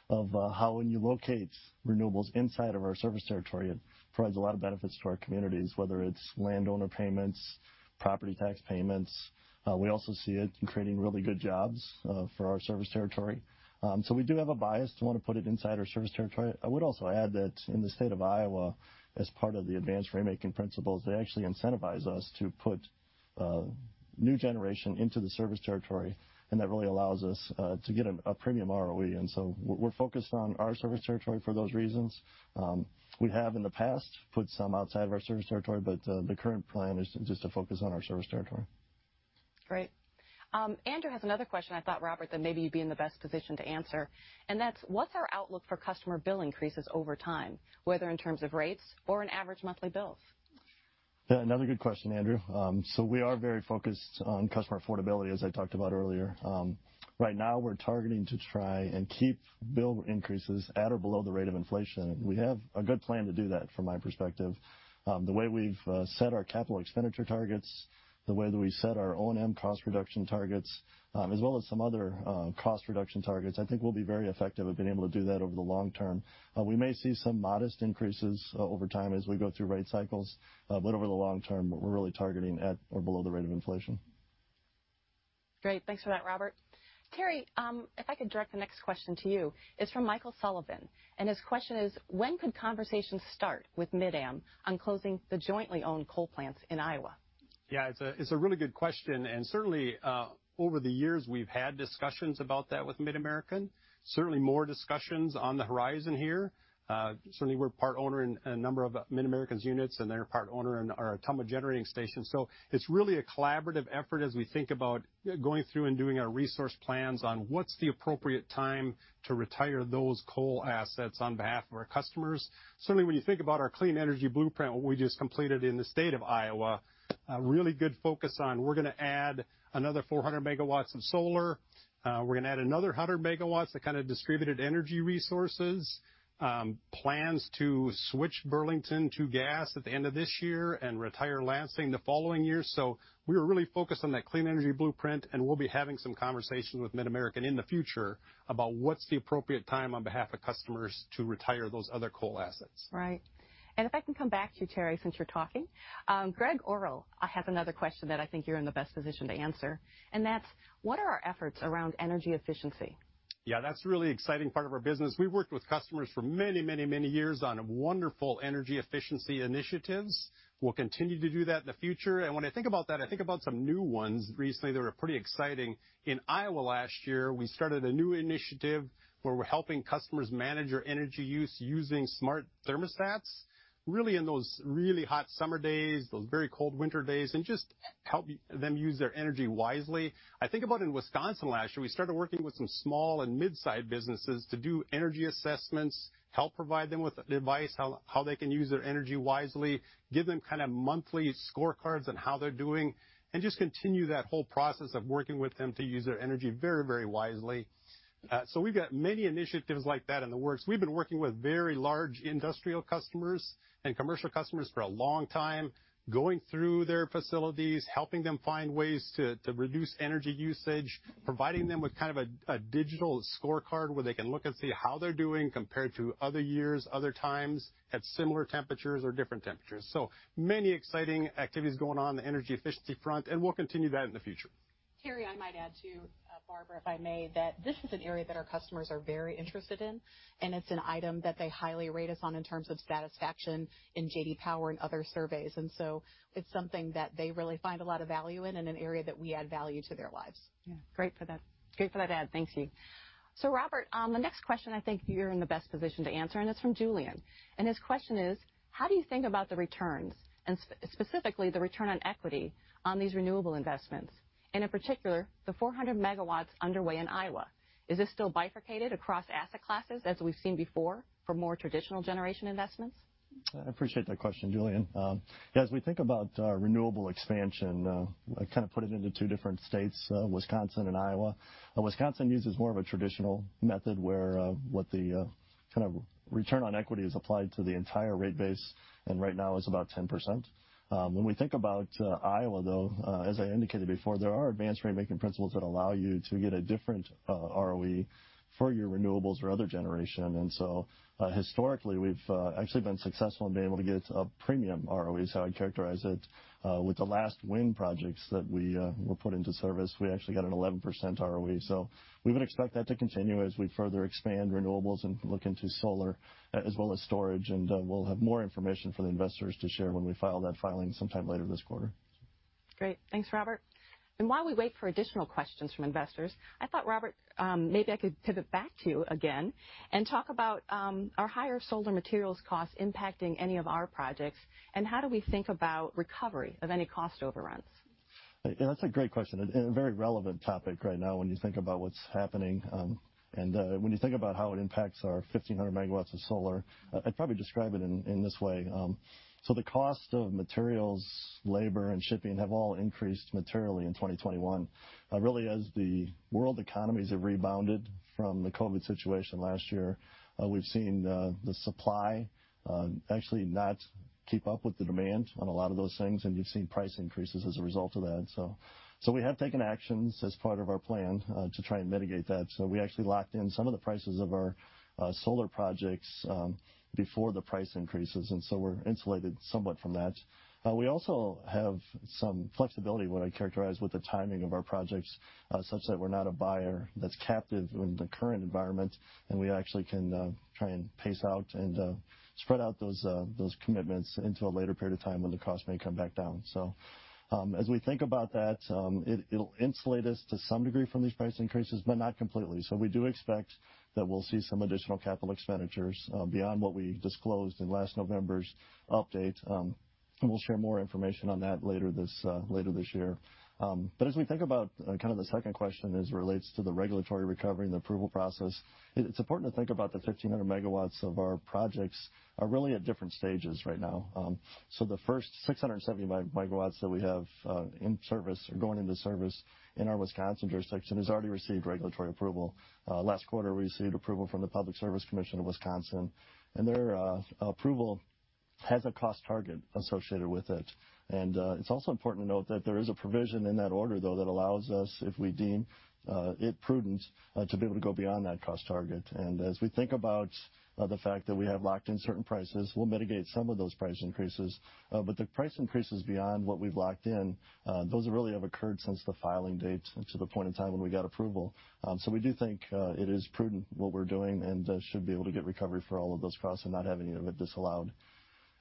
[SPEAKER 6] of how when you locate renewables inside of our service territory, it provides a lot of benefits to our communities, whether it's landowner payments, property tax payments. We also see it in creating really good jobs for our service territory. We do have a bias to want to put it inside our service territory. I would also add that in the state of Iowa, as part of the advanced ratemaking principles, they actually incentivize us to put new generation into the service territory, and that really allows us to get a premium ROE. We're focused on our service territory for those reasons. We have, in the past, put some outside of our service territory, but the current plan is just to focus on our service territory.
[SPEAKER 1] Great. Andrew has another question I thought, Robert, that maybe you'd be in the best position to answer, and that's, what's our outlook for customer bill increases over time, whether in terms of rates or in average monthly bills?
[SPEAKER 6] Yeah, another good question, Andrew. We are very focused on customer affordability, as I talked about earlier. Right now, we're targeting to try and keep bill increases at or below the rate of inflation. We have a good plan to do that, from my perspective. The way we've set our capital expenditure targets, the way that we set our O&M cost reduction targets, as well as some other cost reduction targets, I think we'll be very effective at being able to do that over the long term. We may see some modest increases over time as we go through rate cycles. Over the long term, we're really targeting at or below the rate of inflation.
[SPEAKER 1] Great. Thanks for that, Robert. Terry, if I could direct the next question to you. It's from Michael Sullivan, his question is: when could conversations start with Mid-Am on closing the jointly owned coal plants in Iowa?
[SPEAKER 8] Yeah, it's a really good question, and certainly, over the years, we've had discussions about that with MidAmerican. Certainly more discussions on the horizon here. Certainly, we're part owner in a number of MidAmerican's units, and they're a part owner in our Ottumwa Generating Station. It's really a collaborative effort as we think about going through and doing our resource plans on what's the appropriate time to retire those coal assets on behalf of our customers. Certainly, when you think about our Clean Energy Blueprint, what we just completed in the state of Iowa, a really good focus on, we're going to add another 400 MW of solar. We're going to add another 100 MW to kind of distributed energy resources. Plans to switch Burlington to gas at the end of this year and retire Lansing the following year. We are really focused on that Clean Energy Blueprint, and we'll be having some conversations with MidAmerican in the future about what's the appropriate time on behalf of customers to retire those other coal assets.
[SPEAKER 1] Right. If I can come back to you, Terry Kouba, since you're talking. Gregg Orrill has another question that I think you're in the best position to answer, and that's: what are our efforts around energy efficiency?
[SPEAKER 8] Yeah, that's a really exciting part of our business. We've worked with customers for many years on wonderful energy efficiency initiatives. We'll continue to do that in the future. When I think about that, I think about some new ones recently that are pretty exciting. In Iowa last year, we started a new initiative where we're helping customers manage their energy use using smart thermostats, really in those really hot summer days, those very cold winter days, and just help them use their energy wisely. I think about in Wisconsin last year, we started working with some small and midsize businesses to do energy assessments, help provide them with advice how they can use their energy wisely, give them kind of monthly scorecards on how they're doing, and just continue that whole process of working with them to use their energy very wisely. We've got many initiatives like that in the works. We've been working with very large industrial customers and commercial customers for a long time, going through their facilities, helping them find ways to reduce energy usage, providing them with kind of a digital scorecard where they can look and see how they're doing compared to other years, other times, at similar temperatures or different temperatures. Many exciting activities going on in the energy efficiency front, and we'll continue that in the future.
[SPEAKER 5] Terry, I might add, too, Barbara, if I may, that this is an area that our customers are very interested in, it's an item that they highly rate us on in terms of satisfaction in J.D. Power and other surveys. It's something that they really find a lot of value in and an area that we add value to their lives.
[SPEAKER 1] Yeah. Great for that add. Thank you. Robert, the next question, I think you're in the best position to answer, and it's from Julien. His question is: how do you think about the returns, and specifically the return on equity on these renewable investments, and in particular, the 400 MW underway in Iowa? Is this still bifurcated across asset classes as we've seen before for more traditional generation investments?
[SPEAKER 6] I appreciate that question, Julien. Yeah, as we think about renewable expansion, I kind of put it into two different states, Wisconsin and Iowa. Wisconsin uses more of a traditional method where what the kind of return on equity is applied to the entire rate base, and right now is about 10%. When we think about Iowa, though, as I indicated before, there are advanced ratemaking principles that allow you to get a different ROE for your renewables or other generation. Historically, we've actually been successful in being able to get a premium ROE, is how I'd characterize it. With the last wind projects that were put into service, we actually got an 11% ROE. We would expect that to continue as we further expand renewables and look into solar, as well as storage. We'll have more information for the investors to share when we file that filing sometime later this quarter.
[SPEAKER 1] Great. Thanks, Robert. While we wait for additional questions from investors, I thought, Robert, maybe I could pivot back to you again and talk about are higher solar materials costs impacting any of our projects, and how do we think about recovery of any cost overruns?
[SPEAKER 6] That's a great question and a very relevant topic right now when you think about what's happening and when you think about how it impacts our 1,500 MW of solar. I'd probably describe it in this way. The cost of materials, labor, and shipping have all increased materially in 2021. Really as the world economies have rebounded from the COVID situation last year, we've seen the supply actually not keep up with the demand on a lot of those things, and you've seen price increases as a result of that. We have taken actions as part of our plan to try and mitigate that. We actually locked in some of the prices of our solar projects before the price increases, and so we're insulated somewhat from that. We also have some flexibility, what I'd characterize, with the timing of our projects, such that we're not a buyer that's captive in the current environment and we actually can try and pace out and spread out those commitments into a later period of time when the cost may come back down. As we think about that, it'll insulate us to some degree from these price increases, but not completely. We do expect that we'll see some additional capital expenditures beyond what we disclosed in last November's update. We'll share more information on that later this year. As we think about kind of the second question as it relates to the regulatory recovery and the approval process, it's important to think about the 1,500 MW of our projects are really at different stages right now. The first 670 MW that we have in service or going into service in our Wisconsin jurisdiction has already received regulatory approval. Last quarter, we received approval from the Public Service Commission of Wisconsin, and their approval has a cost target associated with it. It's also important to note that there is a provision in that order, though, that allows us, if we deem it prudent, to be able to go beyond that cost target. As we think about the fact that we have locked in certain prices, we'll mitigate some of those price increases. The price increases beyond what we've locked in, those really have occurred since the filing date to the point in time when we got approval. We do think it is prudent what we're doing, and should be able to get recovery for all of those costs and not have any of it disallowed.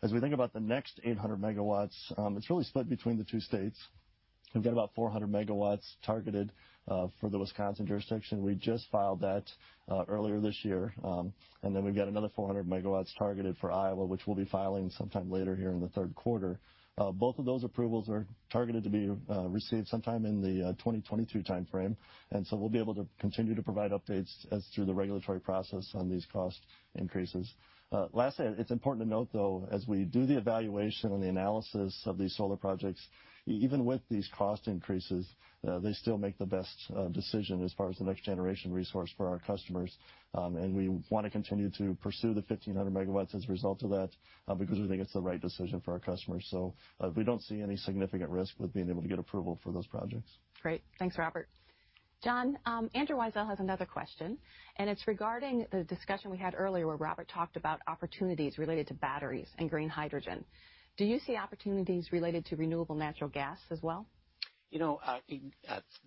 [SPEAKER 6] As we think about the next 800 MW, it's really split between the two states. We've got about 400 MW targeted for the Wisconsin jurisdiction. We just filed that earlier this year. We've got another 400 MW targeted for Iowa, which we'll be filing sometime later here in the third quarter. Both of those approvals are targeted to be received sometime in the 2022 timeframe. We'll be able to continue to provide updates as through the regulatory process on these cost increases. Lastly, it's important to note, though, as we do the evaluation and the analysis of these solar projects, even with these cost increases, they still make the best decision as far as the next generation resource for our customers. We want to continue to pursue the 1,500 megawatts as a result of that, because we think it's the right decision for our customers. We don't see any significant risk with being able to get approval for those projects.
[SPEAKER 1] Great. Thanks, Robert. John, Andrew Weisel has another question, and it's regarding the discussion we had earlier where Robert talked about opportunities related to batteries and green hydrogen. Do you see opportunities related to renewable natural gas as well?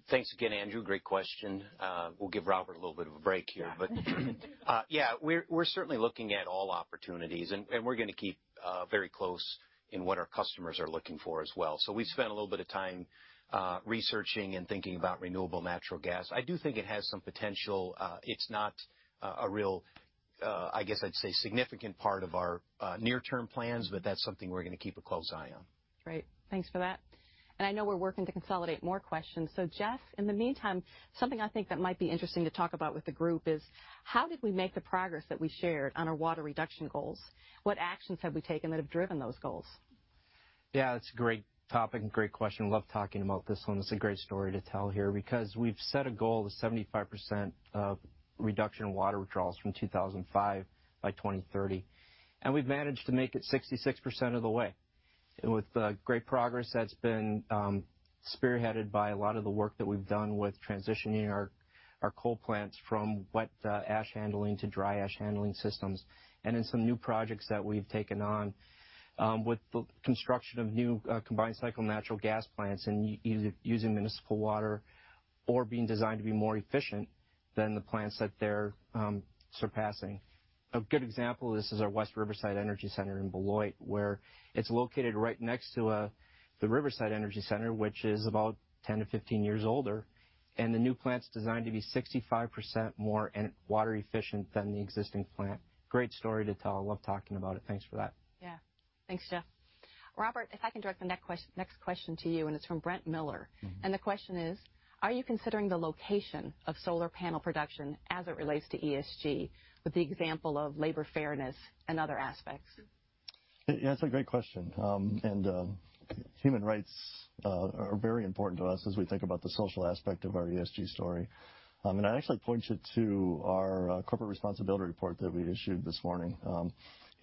[SPEAKER 4] Thanks again, Andrew. Great question. We'll give Robert a little bit of a break here.
[SPEAKER 1] Yeah.
[SPEAKER 4] Yeah, we're certainly looking at all opportunities, and we're going to keep very close in what our customers are looking for as well. We spent a little bit of time researching and thinking about renewable natural gas. I do think it has some potential. It's not a real, I guess I'd say, significant part of our near-term plans, but that's something we're going to keep a close eye on.
[SPEAKER 1] Great. Thanks for that. I know we're working to consolidate more questions. Jeff, in the meantime, something I think that might be interesting to talk about with the group is, how did we make the progress that we shared on our water reduction goals? What actions have we taken that have driven those goals?
[SPEAKER 11] Yeah, it's a great topic and great question. Love talking about this one. It's a great story to tell here because we've set a goal of 75% reduction in water withdrawals from 2005 by 2030. We've managed to make it 66% of the way. With great progress that's been spearheaded by a lot of the work that we've done with transitioning our coal plants from wet ash handling to dry ash handling systems, and in some new projects that we've taken on with the construction of new combined cycle natural gas plants and using municipal water or being designed to be more efficient than the plants that they're surpassing. A good example of this is our West Riverside Energy Center in Beloit, where it's located right next to the Riverside Energy Center, which is about 10 to 15 years older. The new plant's designed to be 65% more water efficient than the existing plant. Great story to tell. I love talking about it. Thanks for that.
[SPEAKER 1] Yeah. Thanks, Jeff. Robert, if I can direct the next question to you, it's from Brent Miller. The question is, are you considering the location of solar panel production as it relates to ESG, with the example of labor fairness and other aspects?
[SPEAKER 6] Yeah, it's a great question. Human rights are very important to us as we think about the social aspect of our ESG story. I'd actually point you to our Corporate Responsibility Report that we issued this morning.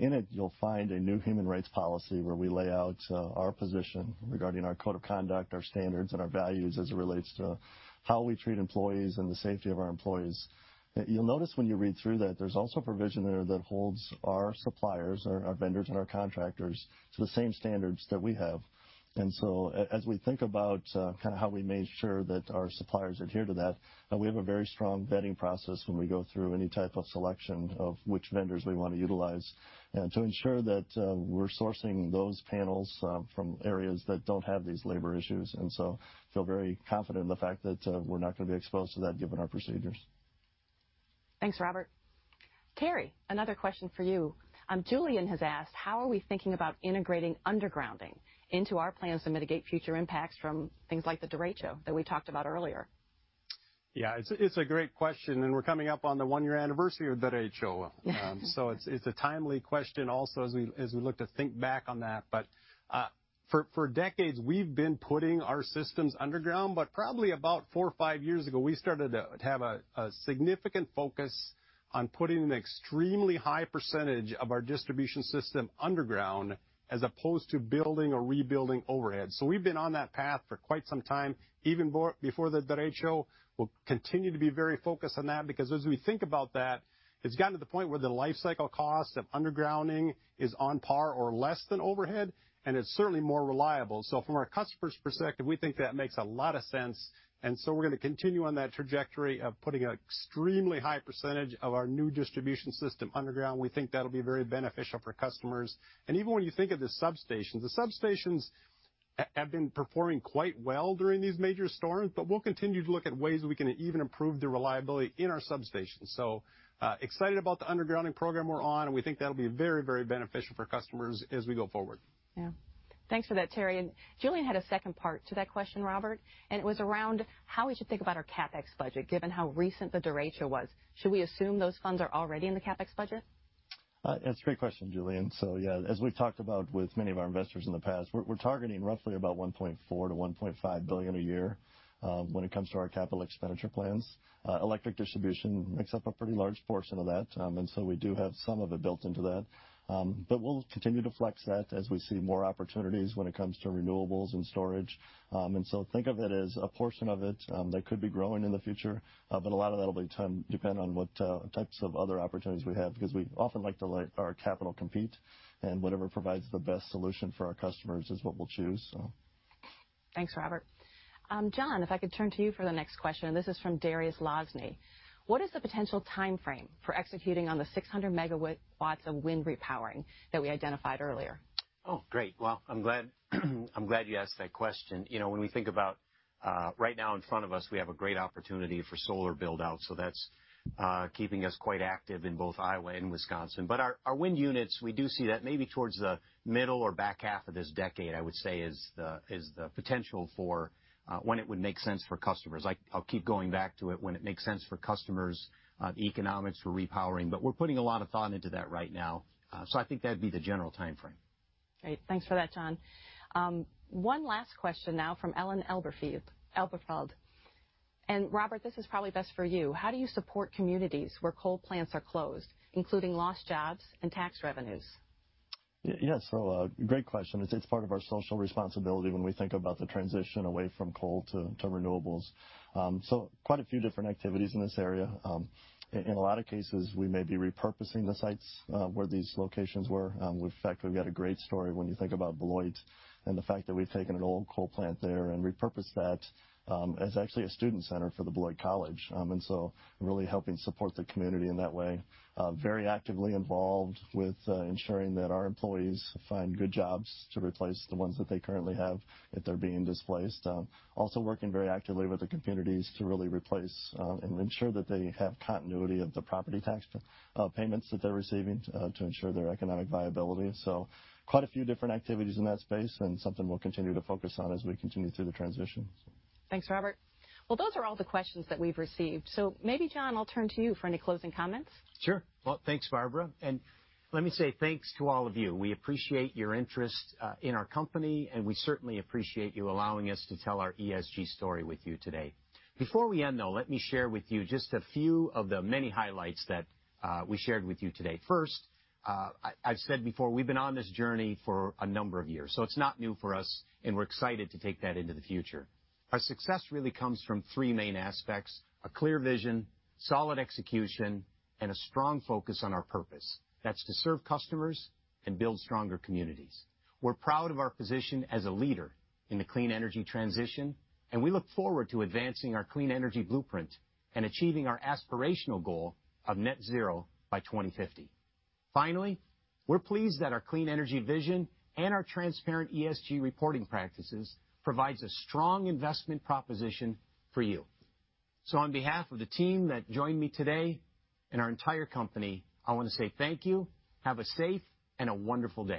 [SPEAKER 6] In it, you'll find a new Human Rights Policy where we lay out our position regarding our Code of Conduct, our standards, and our values as it relates to how we treat employees and the safety of our employees. You'll notice when you read through that, there's also a provision there that holds our suppliers, our vendors, and our contractors to the same standards that we have. As we think about how we made sure that our suppliers adhere to that, we have a very strong vetting process when we go through any type of selection of which vendors we want to utilize to ensure that we're sourcing those panels from areas that don't have these labor issues. Feel very confident in the fact that we're not going to be exposed to that given our procedures.
[SPEAKER 1] Thanks, Robert. Terry, another question for you. Julien has asked, how are we thinking about integrating undergrounding into our plans to mitigate future impacts from things like the derecho that we talked about earlier?
[SPEAKER 8] Yeah. It's a great question, and we're coming up on the one-year anniversary of the derecho. It's a timely question also as we look to think back on that. For decades, we've been putting our systems underground, but probably about four or five years ago, we started to have a significant focus on putting an extremely high percentage of our distribution system underground as opposed to building or rebuilding overhead. We've been on that path for quite some time, even before the derecho. We'll continue to be very focused on that because as we think about that, it's gotten to the point where the lifecycle cost of undergrounding is on par or less than overhead, and it's certainly more reliable. From our customers' perspective, we think that makes a lot of sense, and so we're going to continue on that trajectory of putting an extremely high percentage of our new distribution system underground. We think that'll be very beneficial for customers. Even when you think of the substations, the substations have been performing quite well during these major storms, but we'll continue to look at ways we can even improve the reliability in our substations. Excited about the undergrounding program we're on, and we think that'll be very beneficial for customers as we go forward.
[SPEAKER 1] Yeah. Thanks for that, Terry. Julien had a second part to that question, Robert, and it was around how we should think about our CapEx budget, given how recent the derecho was. Should we assume those funds are already in the CapEx budget?
[SPEAKER 6] It's a great question, Julien Dumoulin-Smith. Yeah, as we've talked about with many of our investors in the past, we're targeting roughly about $1.4 billion-$1.5 billion a year when it comes to our capital expenditure plans. Electric distribution makes up a pretty large portion of that, we do have some of it built into that. We'll continue to flex that as we see more opportunities when it comes to renewables and storage. Think of it as a portion of it that could be growing in the future, but a lot of that'll depend on what types of other opportunities we have, because we often like to let our capital compete, and whatever provides the best solution for our customers is what we'll choose, so.
[SPEAKER 1] Thanks, Robert. John, if I could turn to you for the next question, and this is from Darius Losney. What is the potential timeframe for executing on the 600 MW of wind repowering that we identified earlier?
[SPEAKER 4] Oh, great. Well, I'm glad you asked that question. When we think about right now in front of us, we have a great opportunity for solar build-out, so that's keeping us quite active in both Iowa and Wisconsin. Our wind units, we do see that maybe towards the middle or back half of this decade, I would say, is the potential for when it would make sense for customers. I'll keep going back to it, when it makes sense for customers, the economics for repowering. We're putting a lot of thought into that right now, so I think that'd be the general timeframe.
[SPEAKER 1] Great. Thanks for that, John. One last question now from Ellen Elberfield. Robert, this is probably best for you: how do you support communities where coal plants are closed, including lost jobs and tax revenues?
[SPEAKER 6] Yeah. Great question. It's part of our social responsibility when we think about the transition away from coal to renewables. In a lot of cases, we may be repurposing the sites where these locations were. In fact, we've got a great story when you think about Beloit and the fact that we've taken an old coal plant there and repurposed that as actually a student center for Beloit College, really helping support the community in that way. Very actively involved with ensuring that our employees find good jobs to replace the ones that they currently have if they're being displaced. Working very actively with the communities to really replace and ensure that they have continuity of the property tax payments that they're receiving to ensure their economic viability. Quite a few different activities in that space, and something we'll continue to focus on as we continue through the transition.
[SPEAKER 1] Thanks, Robert. Well, those are all the questions that we've received. Maybe, John, I'll turn to you for any closing comments.
[SPEAKER 4] Sure. Well, thanks, Barbara. Let me say thanks to all of you. We appreciate your interest in our company, and we certainly appreciate you allowing us to tell our ESG story with you today. Before we end, though, let me share with you just a few of the many highlights that we shared with you today. First, I've said before, we've been on this journey for a number of years, it's not new for us, and we're excited to take that into the future. Our success really comes from 3 main aspects: a clear vision, solid execution, and a strong focus on our purpose. That's to serve customers and build stronger communities. We're proud of our position as a leader in the clean energy transition, and we look forward to advancing our Clean Energy Blueprint and achieving our aspirational goal of net zero by 2050. Finally, we're pleased that our clean energy vision and our transparent ESG reporting practices provides a strong investment proposition for you. On behalf of the team that joined me today and our entire company, I want to say thank you, have a safe and a wonderful day.